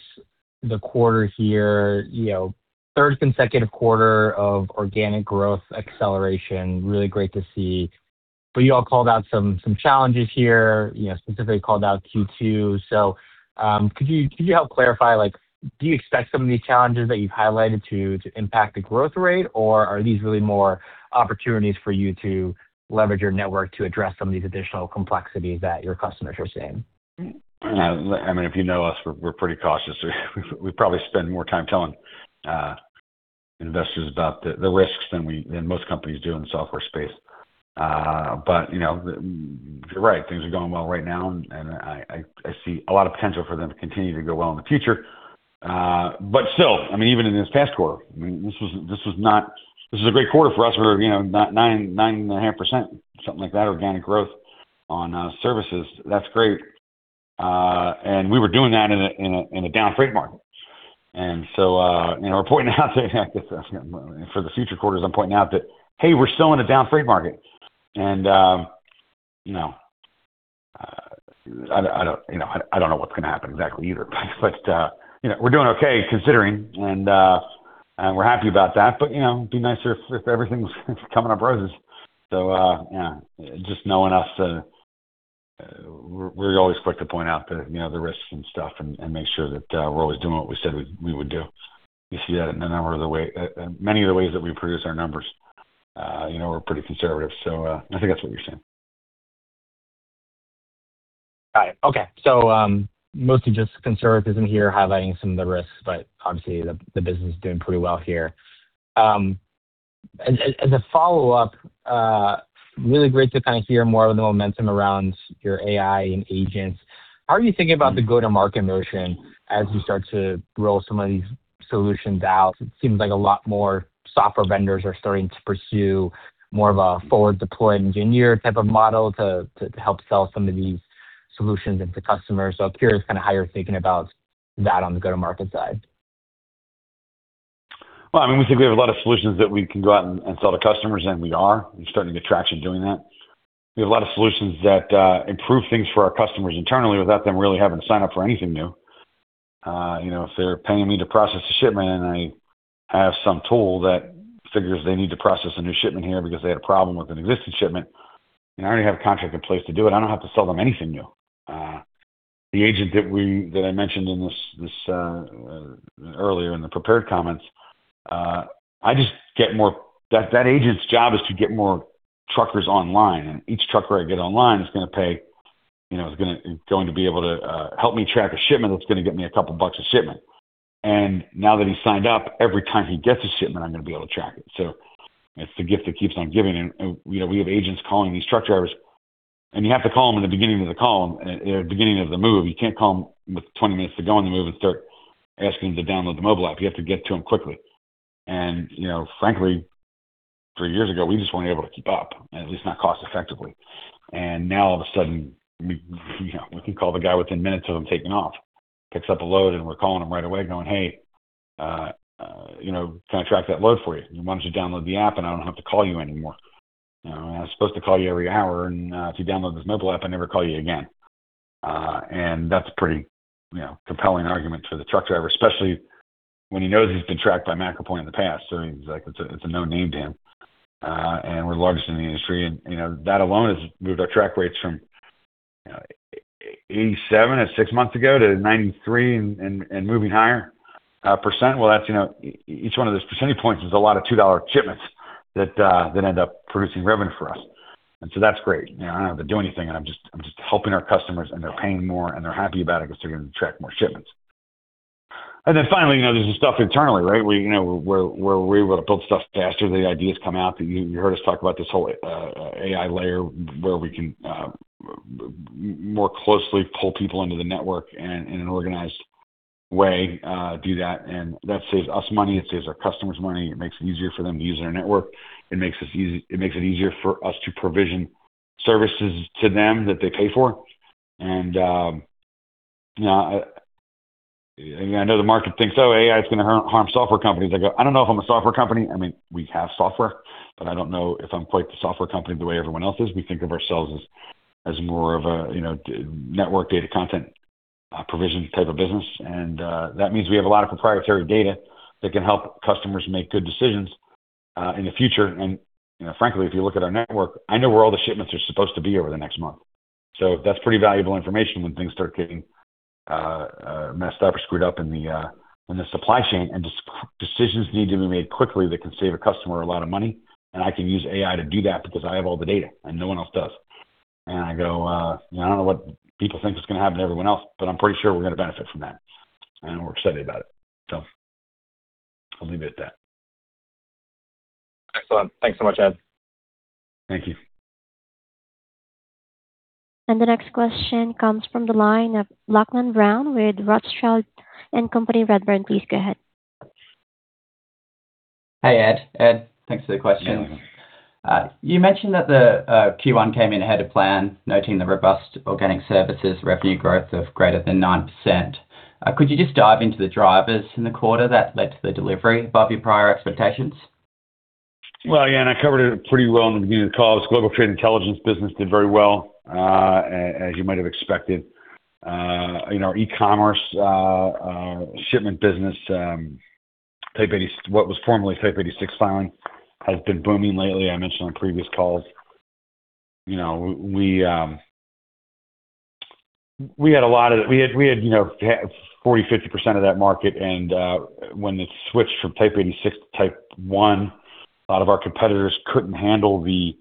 the quarter here, third consecutive quarter of organic growth acceleration. Really great to see. You all called out some challenges here, specifically called out Q2. Could you help clarify, like, do you expect some of these challenges that you've highlighted to impact the growth rate, or are these really more opportunities for you to leverage your network to address some of these additional complexities that your customers are seeing? If you know us, we're pretty cautious. We probably spend more time telling investors about the risks than most companies do in the software space. But you're right, things are going well right now, and I see a lot of potential for them to continue to go well in the future. Still, even in this past quarter, this is a great quarter for us. We were 9.5%, something like that, organic growth on services. That's great. And we were doing that in a down freight market. For the future quarters, I'm pointing out that, hey, we're still in a down freight market. I don't know what's going to happen exactly either, but we're doing okay, considering, and we're happy about that. But, you know, it'd be nicer if everything was coming up roses. Just knowing us, we're always quick to point out the risks and stuff and make sure that we're always doing what we said we would do. You see that in many of the ways that we produce our numbers. We're pretty conservative. I think that's what you're seeing. Got it. Okay. Mostly just conservatism here, highlighting some of the risks, but obviously the business is doing pretty well here. As a follow-up, really great to hear more of the momentum around your AI and agents. How are you thinking about the go-to-market motion as you start to roll some of these solutions out? It seems like a lot more software vendors are starting to pursue more of a forward deploy engineer type of model to help sell some of these solutions into customers. I'm curious how you're thinking about that on the go-to-market side. Well, we think we have a lot of solutions that we can go out and sell to customers, and we are. We're starting to get traction doing that. We have a lot of solutions that improve things for our customers internally without them really having to sign up for anything new. If they're paying me to process a shipment, and I have some tool that figures they need to process a new shipment here because they had a problem with an existing shipment, and I already have a contract in place to do it, I don't have to sell them anything new. The agent that I mentioned earlier in the prepared comments, that agent's job is to get more truckers online, and each trucker I get online is going to be able to help me track a shipment that's going to get me a couple bucks a shipment. Now that he's signed up, every time he gets a shipment, I'm going to be able to track it. It's the gift that keeps on giving. We have agents calling these truck drivers, and you have to call them in the beginning of the move. You can't call them with 20 minutes to go on the move and start asking them to download the mobile app. You have to get to them quickly. Frankly, three years ago, we just weren't able to keep up, at least not cost effectively. Now, all of a sudden, we can call the guy within minutes of him taking off, picks up a load and we're calling him right away going, "Hey, can I track that load for you? Why don't you download the app and I don't have to call you anymore? I was supposed to call you every hour, and if you download this mobile app, I never call you again." That's a pretty compelling argument for the truck driver, especially when he knows he's been tracked by MacroPoint in the past. It's a known name to him. We're the largest in the industry. That alone has moved our track rates from 87% six months ago to 93% and moving higher. Each one of those percentage points is a lot of $2 shipments that end up producing revenue for us, and so that's great. I don't have to do anything, and I'm just helping our customers, and they're paying more, and they're happy about it because they're going to track more shipments. And then finally, there's the stuff internally, right? Where we're able to build stuff faster, the ideas come out. You heard us talk about this whole AI layer where we can more closely pull people into the network and in an organized way do that. That saves us money. It saves our customers money. It makes it easier for them to use their network. It makes it easier for us to provision services to them that they pay for. I know the market thinks, oh, AI is going to harm software companies. I go, I don't know if I'm a software company, I mean, we have software, but I don't know if I'm quite the software company the way everyone else is. We think of ourselves as more of a network data content, provision type of business, and that means we have a lot of proprietary data that can help customers make good decisions in the future. Frankly, if you look at our network, I know where all the shipments are supposed to be over the next month. That's pretty valuable information when things start getting messed up or screwed up in the supply chain, and decisions need to be made quickly that can save a customer a lot of money. I can use AI to do that because I have all the data, and no one else does. I go, "I don't know what people think is going to happen to everyone else, but I'm pretty sure we're going to benefit from that," and we're excited about it. I'll leave it at that. Excellent. Thanks so much, Ed. Thank you. The next question comes from the line of Lachlan Brown with Rothschild & Co Redburn. Please go ahead. Hey, Ed. Ed, thanks for the question. Yeah. You mentioned that the Q1 came in ahead of plan, noting the robust organic services revenue growth of greater than 9%. Could you just dive into the drivers in the quarter that led to the delivery above your prior expectations? Well, again, I covered it pretty well in the beginning of the call. Global Trade Intelligence business did very well, as you might have expected. In our e-commerce shipment business, what was formerly Type 86 filing has been booming lately. I mentioned on previous calls, you know, we had 40%-50% of that market, and when the switch from Type 86 to Type 01, a lot of our competitors couldn't handle the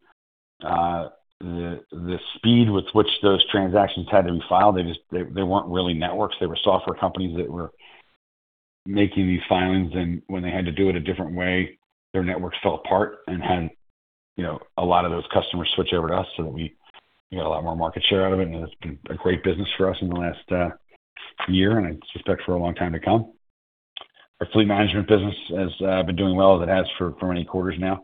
speed with which those transactions had to be filed. They weren't really networks, they were software companies that were making these filings, and when they had to do it a different way, their networks fell apart and had a lot of those customers switch over to us so that we got a lot more market share out of it, and it's been a great business for us in the last year, and I suspect for a long time to come. Our fleet management business has been doing well, as it has for many quarters now.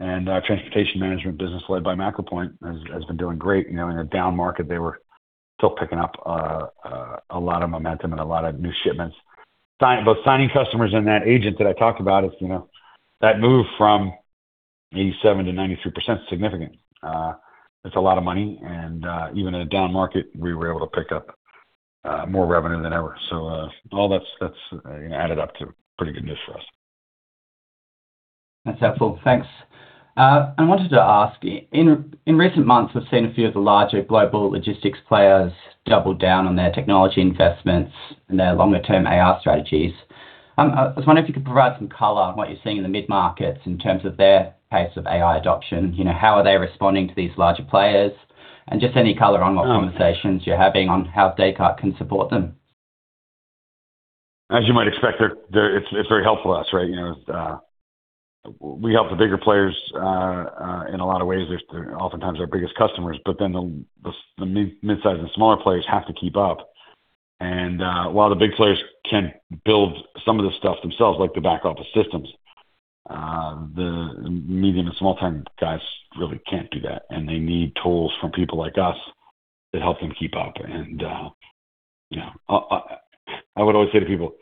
Our transportation management business led by MacroPoint has been doing great. In a down market, they were still picking up a lot of momentum and a lot of new shipments. Both signing customers and that agent that I talked about, that move from 87% to 93% is significant. That's a lot of money, and even in a down market, we were able to pick up more revenue than ever. All that's added up to pretty good news for us. That's helpful. Thanks. I wanted to ask you, in recent months, we've seen a few of the larger global logistics players double down on their technology investments and their longer-term AI strategies. I was wondering if you could provide some color on what you're seeing in the mid-markets in terms of their pace of AI adoption. How are they responding to these larger players? Just any color on what conversations you're having on how Descartes can support them. As you might expect, it's very helpful to us, right? We help the bigger players in a lot of ways. They're oftentimes our biggest customers, but then, the mid-size and smaller players have to keep up. While the big players can build some of the stuff themselves, like the back-office systems, the medium and small-time guys really can't do that, and they need tools from people like us that help them keep up. I would always say to people,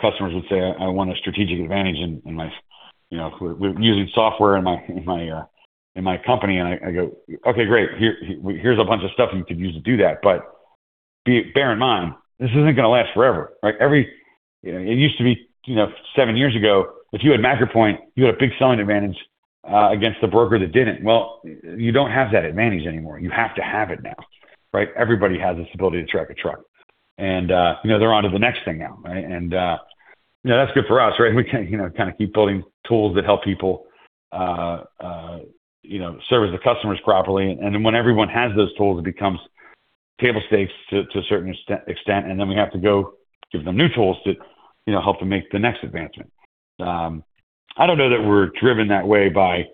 customers would say, "I want a strategic advantage in my, you know, we're using software in my company," and I go, "Okay, great." Here's a bunch of stuff you could use to do that. But bear in mind, this isn't going to last forever, right? It used to be, seven years ago, if you had MacroPoint, you had a big selling advantage against the broker that didn't. Well, you don't have that advantage anymore. You have to have it now, right? Everybody has this ability to track a truck. They're onto the next thing now, right? That's good for us, right? We can keep building tools that help people service the customers properly. When everyone has those tools, it becomes table stakes to a certain extent, then we have to go give them new tools to help them make the next advancement. I don't know that we're driven that way by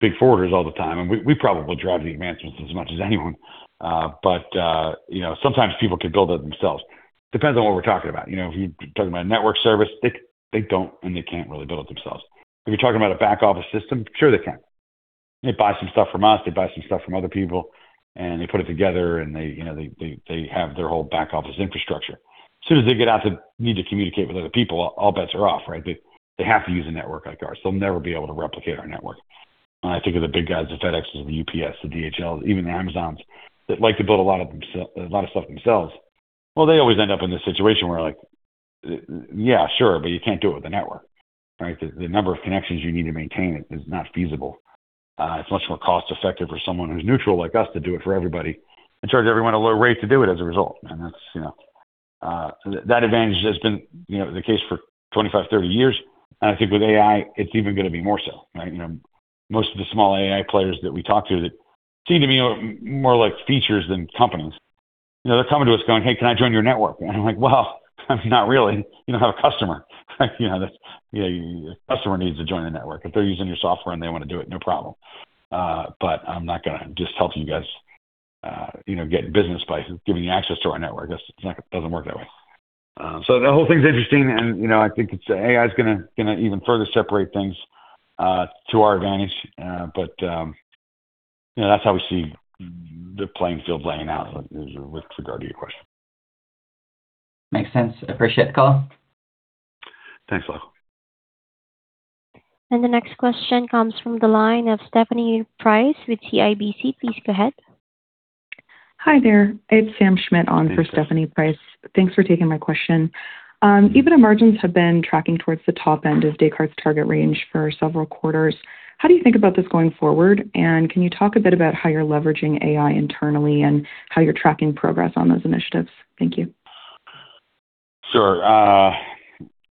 big forwarders all the time, and we probably drive the advancements as much as anyone. But sometimes people can build it themselves. Depends on what we're talking about. If you're talking about a network service, they don't, and they can't really build it themselves. If you're talking about a back-office system, sure they can. They buy some stuff from us, they buy some stuff from other people, and they put it together, and they have their whole back-office infrastructure. As soon as they get out to need to communicate with other people, all bets are off, right? They have to use a network like ours. They'll never be able to replicate our network. When I think of the big guys, the FedExes, the UPS, the DHLs, even the Amazons that like to build a lot of stuff themselves, well, they always end up in this situation where like, yeah, sure, but you can't do it with a network, right? The number of connections you need to maintain it is not feasible. It's much more cost-effective for someone who's neutral like us to do it for everybody and charge everyone a low rate to do it as a result. That advantage has been the case for 25, 30 years, and I think with AI, it's even going to be more so, right? Most of the small AI players that we talk to that seem to be more like features than companies, they're coming to us going, "Hey, can I join your network?" I'm like, "Well, not really. You don't have a customer." A customer needs to join a network. If they're using your software and they want to do it, no problem, but I'm not going to just help you guys get business by giving you access to our network. It doesn't work that way. The whole thing's interesting, and I think AI is going to even further separate things to our advantage. That's how we see the playing field playing out with regard to your question. Makes sense. Appreciate the call. Thanks, Lachlan. The next question comes from the line of Stephanie Price with CIBC. Please go ahead. Hi there. It's Sam Schmidt on for Stephanie Price. Thanks for taking my question. EBITDA margins have been tracking towards the top end of Descartes target range for several quarters. How do you think about this going forward? Can you talk a bit about how you're leveraging AI internally, and how you're tracking progress on those initiatives? Thank you. Sure.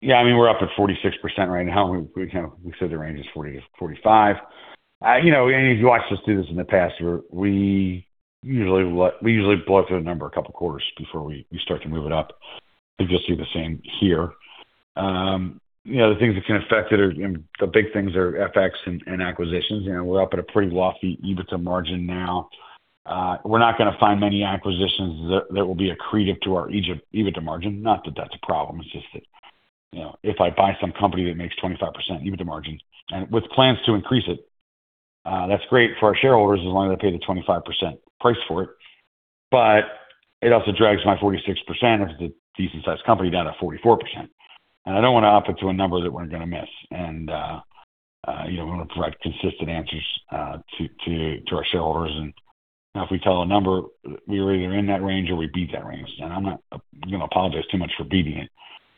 Yeah, we're up at 46% right now. We said the range is 40%-45%. If you watched us do this in the past year, we usually blow through a number a couple quarters before we start to move it up. I think you'll see the same here. The things that can affect it are, the big things are FX and acquisitions. We're up at a pretty lofty EBITDA margin now. We're not going to find many acquisitions that will be accretive to our EBITDA margin. Not that that's a problem, it's just that if I buy some company that makes 25% EBITDA margins, and with plans to increase it, that's great for our shareholders as long as I pay the 25% price for it. But it also drags my 46%, which is a decent-sized company, down to 44%. I don't want to up it to a number that we're going to miss. We want to provide consistent answers to our shareholders. If we tell a number, we are either in that range or we beat that range. I'm not going to apologize too much for beating it.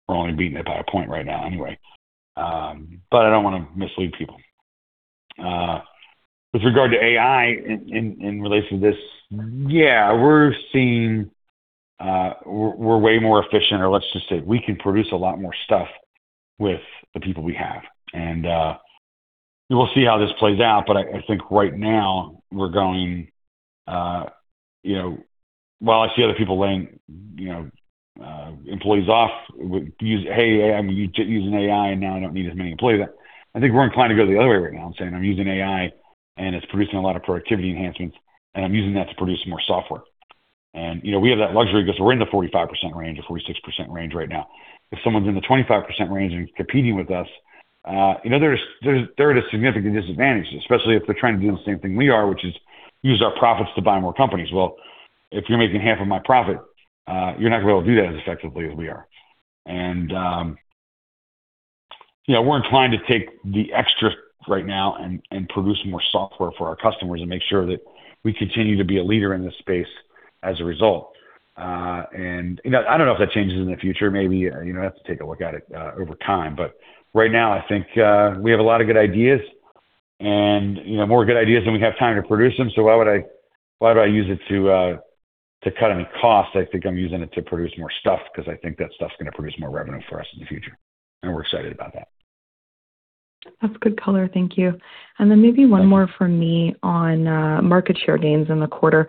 We're only beating it by a point right now anyway. But I don't want to mislead people. With regard to AI in relation to this, yeah, we're seeing, we're way more efficient, or let's just say we can produce a lot more stuff with the people we have. We'll see how this plays out, but I think right now, we're going, you know, while I see other people laying employees off with, "Hey, I'm using AI and now I don't need as many employees," I think we're inclined to go the other way right now and saying, "I'm using AI and it's producing a lot of productivity enhancements, and I'm using that to produce more software." We have that luxury because we're in the 45% range or 46% range right now. If someone's in the 25% range and competing with us, they're at a significant disadvantage, especially if they're trying to do the same thing we are, which is use our profits to buy more companies. Well, if you're making half of my profit, you're not going to be able to do that as effectively as we are. We're inclined to take the extra right now and produce more software for our customers and make sure that we continue to be a leader in this space as a result. I don't know if that changes in the future. Maybe I'd have to take a look at it over time, but right now, I think we have a lot of good ideas, and more good ideas than we have time to produce them. Why would I use it to cut any cost? I think I'm using it to produce more stuff because I think that stuff's going to produce more revenue for us in the future, and we're excited about that. That's good color. Thank you. Maybe one more from me on market share gains in the quarter.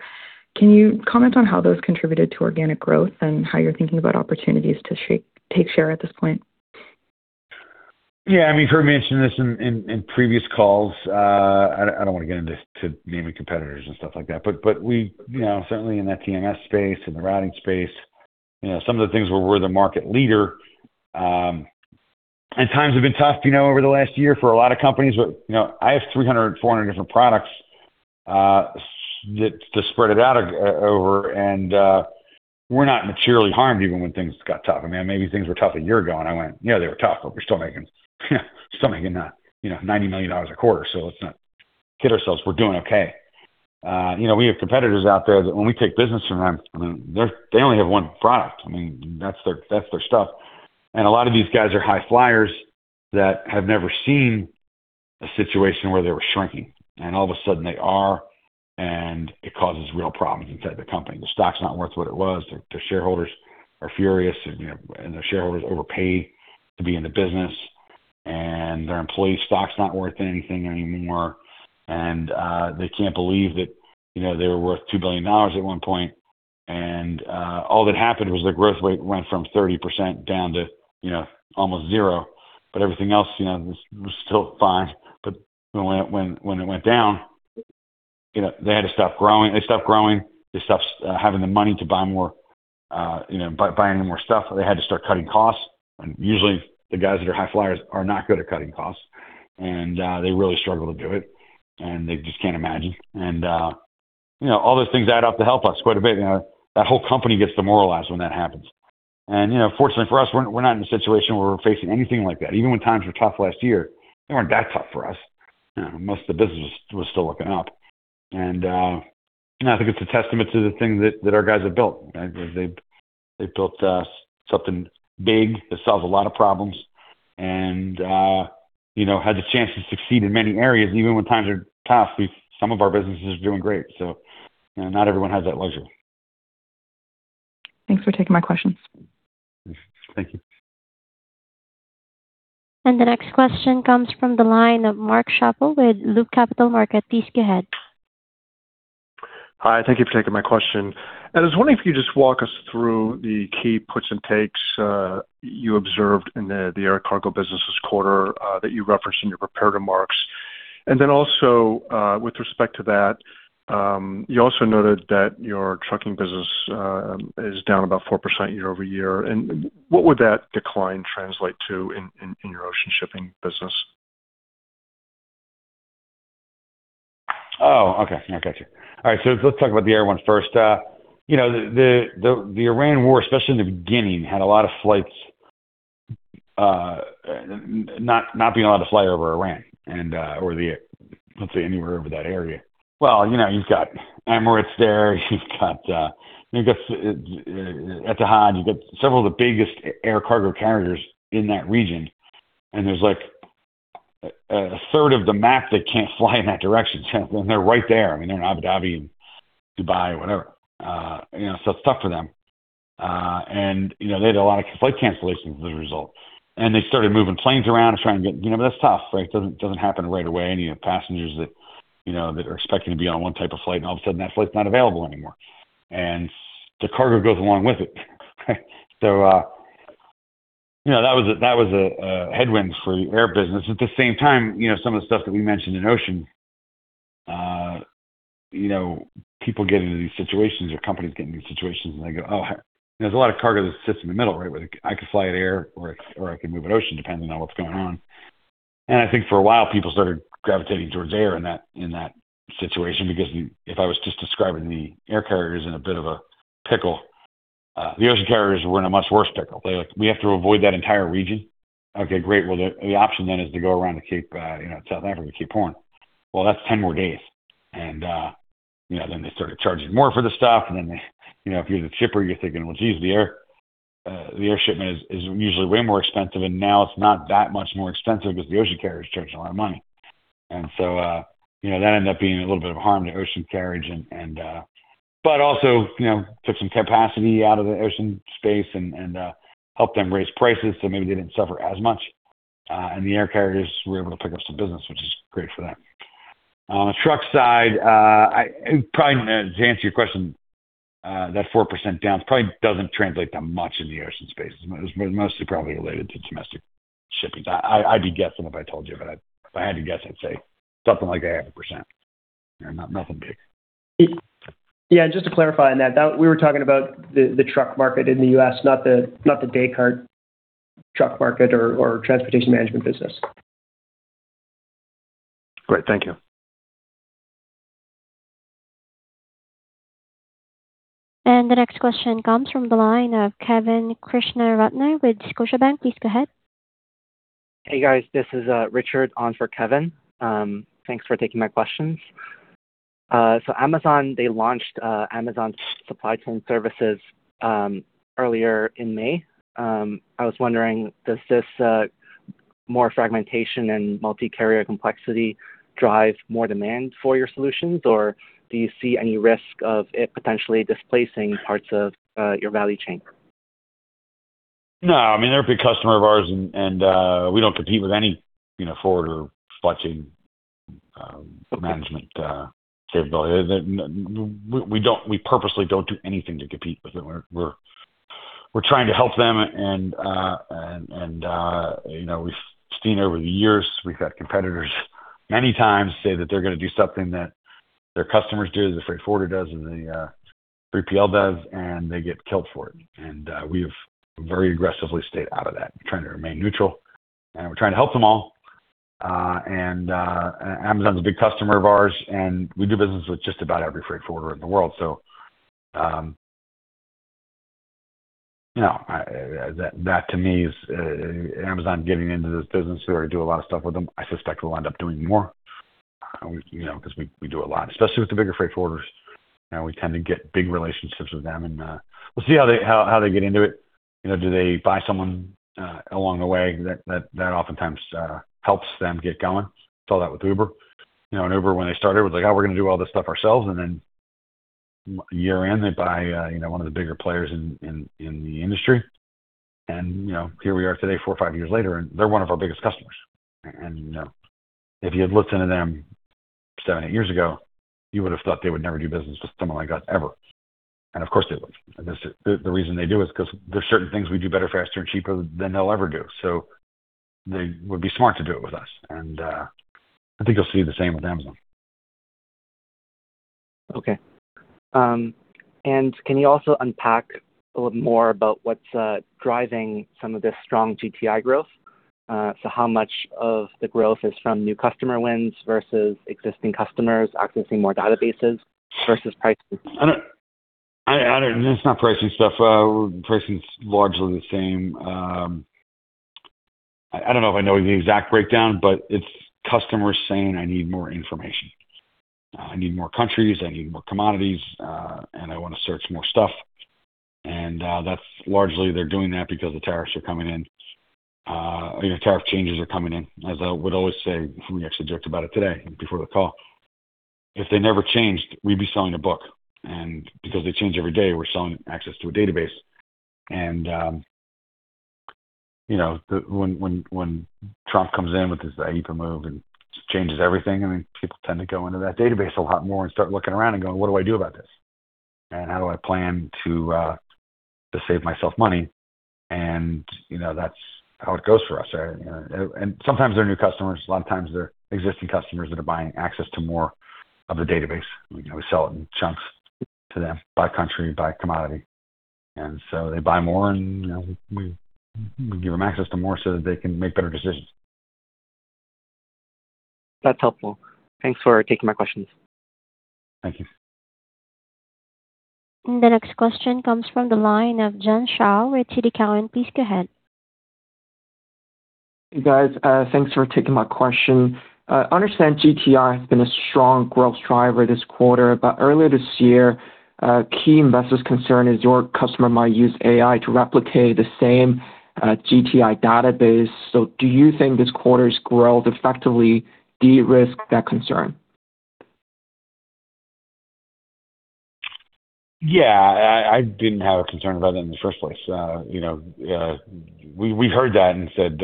Can you comment on how those contributed to organic growth and how you're thinking about opportunities to take share at this point? Yeah. I've mentioned this in previous calls. I don't want to get into naming competitors and stuff like that, but we, certainly in, that TMS space, in the routing space, some of the things where we're the market leader. Times have been tough over the last year for a lot of companies, but I have 300, 400 different products to spread it out over, and we're not materially harmed even when things got tough. Maybe things were tough a year ago, and I went, "Yeah, they were tough, but we're still making $90 million a quarter." Let's not kid ourselves. We're doing okay. We have competitors out there that when we take business from them, they only have one product. That's their stuff. A lot of these guys are high flyers that have never seen a situation where they were shrinking. All of a sudden they are, and it causes real problems inside the company. The stock's not worth what it was. Their shareholders are furious, and their shareholders overpaid to be in the business. Their employee stock's not worth anything anymore. They can't believe that they were worth $2 billion at one point, and all that happened was their growth rate went from 30% down to almost zero, but everything else was still fine. When it went down, they had to stop growing. They stop growing, they stop having the money to buy any more stuff. They had to start cutting costs. Usually the guys that are high flyers are not good at cutting costs. They really struggle to do it, and they just can't imagine. All those things add up to help us quite a bit. That whole company gets demoralized when that happens. Fortunately for us, we're not in a situation where we're facing anything like that. Even when times were tough last year, they weren't that tough for us. Most of the business was still looking up. I think it's a testament to the things that our guys have built. They built us something big that solves a lot of problems and had the chance to succeed in many areas. Even when times are tough, some of our business is doing great. Not everyone has that luxury. Thanks for taking my questions. Thank you. The next question comes from the line of Mark Schappel with Loop Capital Markets. Please go ahead. Hi, thank you for taking my question. I was wondering if you could just walk us through the key puts and takes you observed in the air cargo business this quarter that you referenced in your prepared remarks. Then also, with respect to that, you also noted that your trucking business is down about 4% year-over-year, what would that decline translate to in your ocean shipping business? Oh, okay. I got you. Let's talk about the air one first. The Iran war, especially in the beginning, had a lot of flights not being allowed to fly over Iran and or let's say anywhere over that area. You've got Emirates there, you've got Etihad, you've got several of the biggest air cargo carriers in that region. There's like a third of the map they can't fly in that direction when they're right there. I mean, they're in Abu Dhabi and Dubai or whatever. It's tough for them. They had a lot of flight cancellations as a result. They started moving planes around. That's tough, right? It doesn't happen right away, you have passengers that are expecting to be on one type of flight, and all of a sudden, that flight's not available anymore. The cargo goes along with it. So that was a headwind for the air business. At the same time, some of the stuff that we mentioned in ocean, people get into these situations or companies get in these situations and they go, "Oh." There's a lot of cargo that sits in the middle, right, where they go, "I could fly it air or I could move it ocean," depending on what's going on. I think for a while, people started gravitating towards air in that situation because if I was just describing the air carriers in a bit of a pickle, the ocean carriers were in a much worse pickle. They're like, "We have to avoid that entire region." Okay, great. Well, the option then is to go around the Cape, South Africa, the Cape Horn. Well, that's 10 more days. They started charging more for the stuff. If you're the shipper, you're thinking, "Well, geez, the air shipment is usually way more expensive, and now it's not that much more expensive because the ocean carrier is charging a lot of money." That ended up being a little bit of harm to ocean carriage but also took some capacity out of the ocean space and helped them raise prices, so maybe they didn't suffer as much. The air carriers were able to pick up some business, which is great for them. On the truck side, probably to answer your question, that 4% down probably doesn't translate that much in the ocean space. It's mostly probably related to domestic shipping. I'd be guessing if I told you, but if I had to guess, I'd say something like a half a percent. Nothing big. Yeah, just to clarify on that, we were talking about the truck market in the U.S., not the Descartes truck market or transportation management business. Great. Thank you. The next question comes from the line of Kevin Krishnaratne with Scotiabank. Please go ahead. Hey, guys. This is Richard on for Kevin. Thanks for taking my questions. Amazon, they launched Amazon Supply Chain Services earlier in May. I was wondering, does this more fragmentation and multi-carrier complexity drive more demand for your solutions, or do you see any risk of it potentially displacing parts of your value chain? No, they're a big customer of ours. We don't compete with any forwarder, freight management capability. We purposely don't do anything to compete with them. We're trying to help them, and we've seen over the years, we've had competitors many times say that they're going to do something that their customers do, the freight forwarder does, or the 3PL does, and they get killed for it. We've very aggressively stayed out of that, trying to remain neutral, and we're trying to help them all. Amazon's a big customer of ours, and we do business with just about every freight forwarder in the world. So, no, that to me is Amazon getting into this business. We already do a lot of stuff with them. I suspect we'll end up doing more because we do a lot, especially with the bigger freight forwarders. We tend to get big relationships with them, and we'll see how they get into it. Do they buy someone along the way? That oftentimes helps them get going. Saw that with Uber. Uber, when they started, was like, "Oh, we're going to do all this stuff ourselves." Then a year in, they buy one of the bigger players in the industry, and here we are today, four or five years later, and they're one of our biggest customers. If you had listened to them seven, eight years ago, you would've thought they would never do business with someone like us, ever. Of course they would. The reason they do is because there's certain things we do better, faster, and cheaper than they'll ever do. They would be smart to do it with us, and I think you'll see the same with Amazon. Okay. Can you also unpack a little bit more about what's driving some of this strong GTI growth? How much of the growth is from new customer wins versus existing customers accessing more databases versus pricing? It's not pricing stuff. Pricing's largely the same. I don't know if I know the exact breakdown, but it's customers saying, "I need more information. I need more countries, I need more commodities, and I want to search more stuff." That's largely they're doing that because the tariffs are coming in, or tariff changes are coming in. As I would always say, we actually joked about it today before the call, if they never changed, we'd be selling a book. Because they change every day, we're selling access to a database. When Trump comes in with his move and changes everything, then people tend to go into that database a lot more and start looking around and going, "What do I do about this? How do I plan to save myself money?" That's how it goes for us. Sometimes they're new customers. A lot of times they're existing customers that are buying access to more of the database. We sell it in chunks to them by country, by commodity. They buy more, and we give them access to more so that they can make better decisions. That's helpful. Thanks for taking my questions. Thank you. The next question comes from the line of John Shao with TD Cowen. Please go ahead. Hey, guys. Thanks for taking my question. I understand GTI has been a strong growth driver this quarter. Earlier this year, key investors' concern is your customer might use AI to replicate the same GTI database. Do you think this quarter's growth effectively de-risked that concern? Yeah, I didn't have a concern about it in the first place. We heard that and said,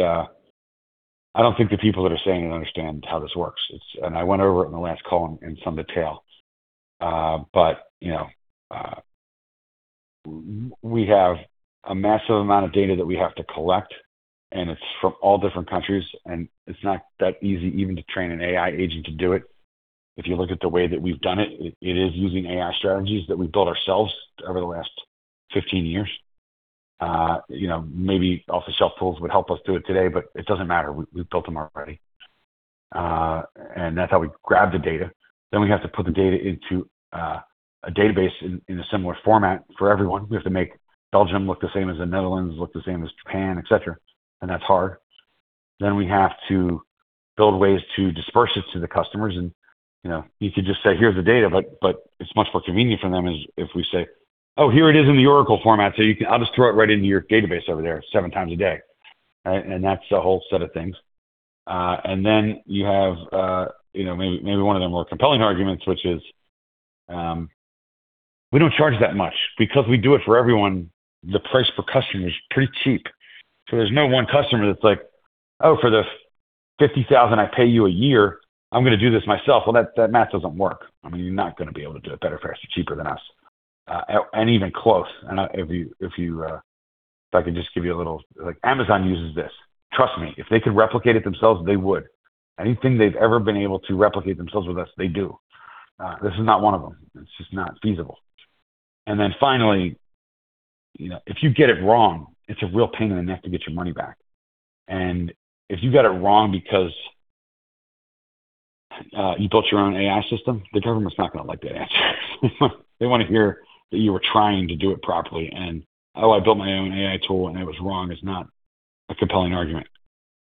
"I don't think the people that are saying it understand how this works." I went over it in the last call in some detail. We have a massive amount of data that we have to collect, and it's from all different countries, and it's not that easy even to train an AI agent to do it. If you look at the way that we've done it is using AI strategies that we've built ourselves over the last 15 years. Maybe off-the-shelf tools would help us do it today, but it doesn't matter. We've built them already. That's how we grab the data. We have to put the data into a database in a similar format for everyone. We have to make Belgium look the same as the Netherlands, look the same as Japan, et cetera. That's hard. We have to build ways to disperse it to the customers, and you could just say, "Here's the data," but it's much more convenient for them if we say, "Oh, here it is in the Oracle format, so I'll just throw it right into your database over there seven times a day." That's a whole set of things. You have maybe one of the more compelling arguments, which is, we don't charge that much. Because we do it for everyone, the price per customer is pretty cheap. There's no one customer that's like, "Oh, for the $50,000 I pay you a year, I'm going to do this myself." Well, that math doesn't work. You're not going to be able to do it better, faster, cheaper than us, and even close. If I could just give you a little, like, Amazon uses this. Trust me, if they could replicate it themselves, they would. Anything they've ever been able to replicate themselves with us, they do. This is not one of them. It's just not feasible. Finally, if you get it wrong, it's a real pain in the neck to get your money back. If you got it wrong because you built your own AI system, the government's not going to like that answer. They want to hear that you were trying to do it properly, and, "Oh, I built my own AI tool and it was wrong," is not a compelling argument.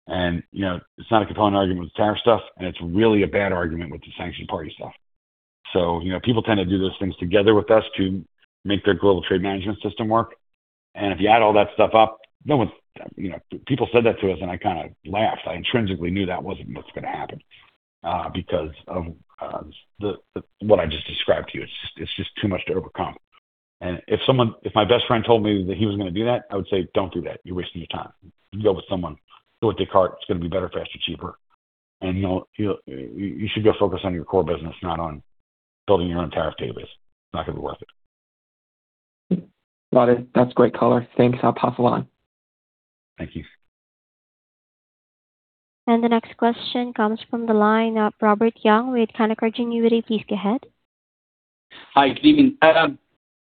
It's not a compelling argument with tariff stuff, and it's really a bad argument with the sanctioned party stuff. People tend to do those things together with us to make their global trade management system work. If you add all that stuff up, people said that to us, and I kind of laughed. I intrinsically knew that wasn't what's going to happen because of what I just described to you. It's just too much to overcome. If my best friend told me that he was going to do that, I would say, "Don't do that. You're wasting your time. Go with someone. Go with Descartes, it's going to be better, faster, cheaper. You should go focus on your core business, not on building your own tariff database. It's not going to be worth it." Got it. That's great color. Thanks. I'll pass along. Thank you. The next question comes from the line of Robert Young with Canaccord Genuity. Please go ahead. Hi. Good evening.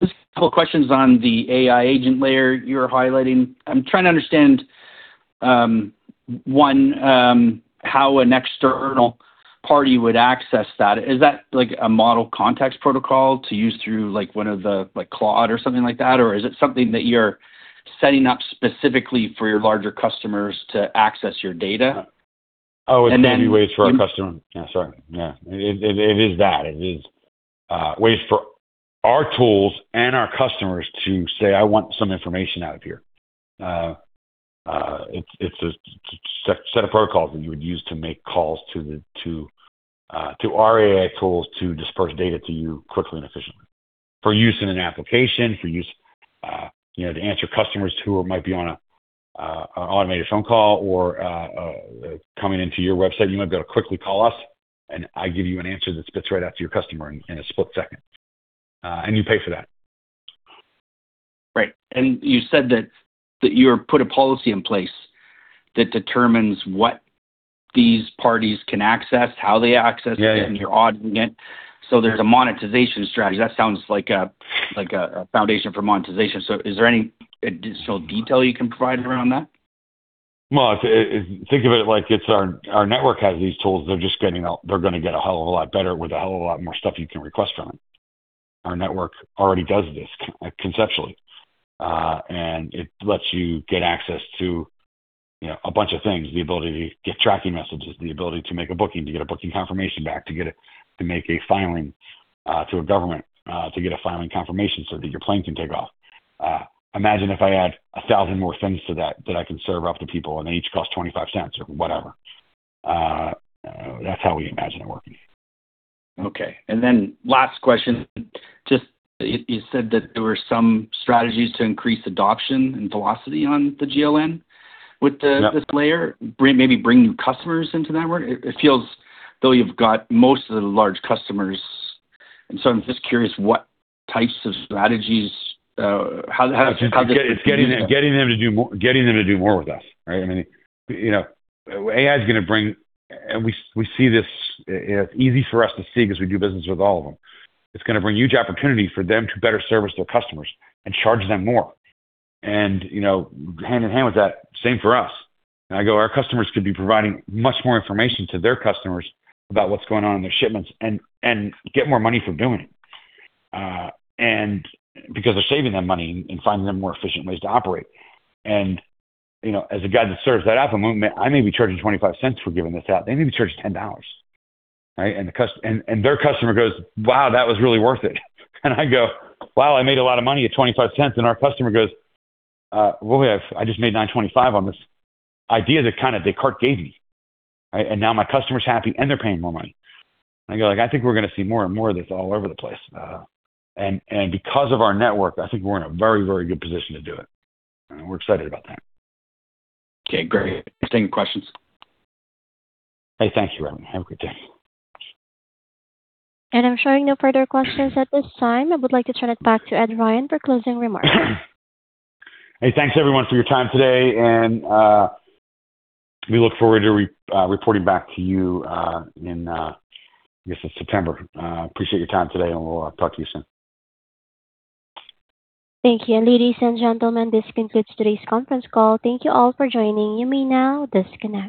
Just a couple of questions on the AI agent layer you're highlighting. I am trying to understand, one, how an external party would access that. Is that like a Model Context Protocol to use through one of the, like Claude or something like that? Is it something that you are setting up specifically for your larger customers to access your data? Yeah, sorry. Yeah. It is that. It is ways for our tools and our customers to say, "I want some information out of here." It's a set of protocols that you would use to make calls to our AI tools to disperse data to you quickly and efficiently for use in an application, to answer customers who might be on an automated phone call or coming into your website. You might be able to quickly call us, and I give you an answer that spits right out to your customer in a split second. You pay for that. Right. You said that you put a policy in place that determines what these parties can access, how they access it. Yeah, yeah. And you're auditing it, so there's a monetization strategy. That sounds like a foundation for monetization. Is there any additional detail you can provide around that? Well, think of it like, our network has these tools. They're going to get a whole lot better with a whole lot more stuff you can request from them. Our network already does this conceptually. It lets you get access to a bunch of things, the ability to get tracking messages, the ability to make a booking, to get a booking confirmation back, to make a filing to a government, to get a filing confirmation so that your plane can take off. Imagine if I add a 1,000 more things to that that I can serve up to people, and they each cost $0.25 or whatever. That's how we imagine it working. Okay. Last question. You said that there were some strategies to increase adoption and velocity on the GLN with this layer. Yeah. Maybe bring new customers into the network. It feels though you've got most of the large customers, and so I'm just curious what types of strategies? Getting them to do more with us, right? It's easy for us to see because we do business with all of them. It's going to bring huge opportunities for them to better service their customers and charge them more. Hand in hand with that, same for us. I go, our customers could be providing much more information to their customers about what's going on in their shipments and get more money from doing it. Because they're saving them money and finding them more efficient ways to operate. As a guy that serves that up, I may be charging $0.25 for giving this out. They maybe charge $10, right? Their customer goes, "Wow, that was really worth it." I go, "Wow, I made a lot of money at $0.25." Our customer goes, "Well, I just made $9.25 on this idea that Descartes gave me." Right? Now, my customer's happy, and they're paying more money. I go like, "I think we're going to see more and more of this all over the place." Because of our network, I think we're in a very, very good position to do it. We're excited about that. Okay, great. Thanks for answering my questions. Hey, thank you, Robert. Have a good day. I'm showing no further questions at this time. I would like to turn it back to Ed Ryan for closing remarks. Hey, thanks everyone for your time today, and we look forward to reporting back to you in September. Appreciate your time today, and we'll talk to you soon. Thank you. Ladies and gentlemen, this concludes today's conference call. Thank you all for joining. You may now disconnect.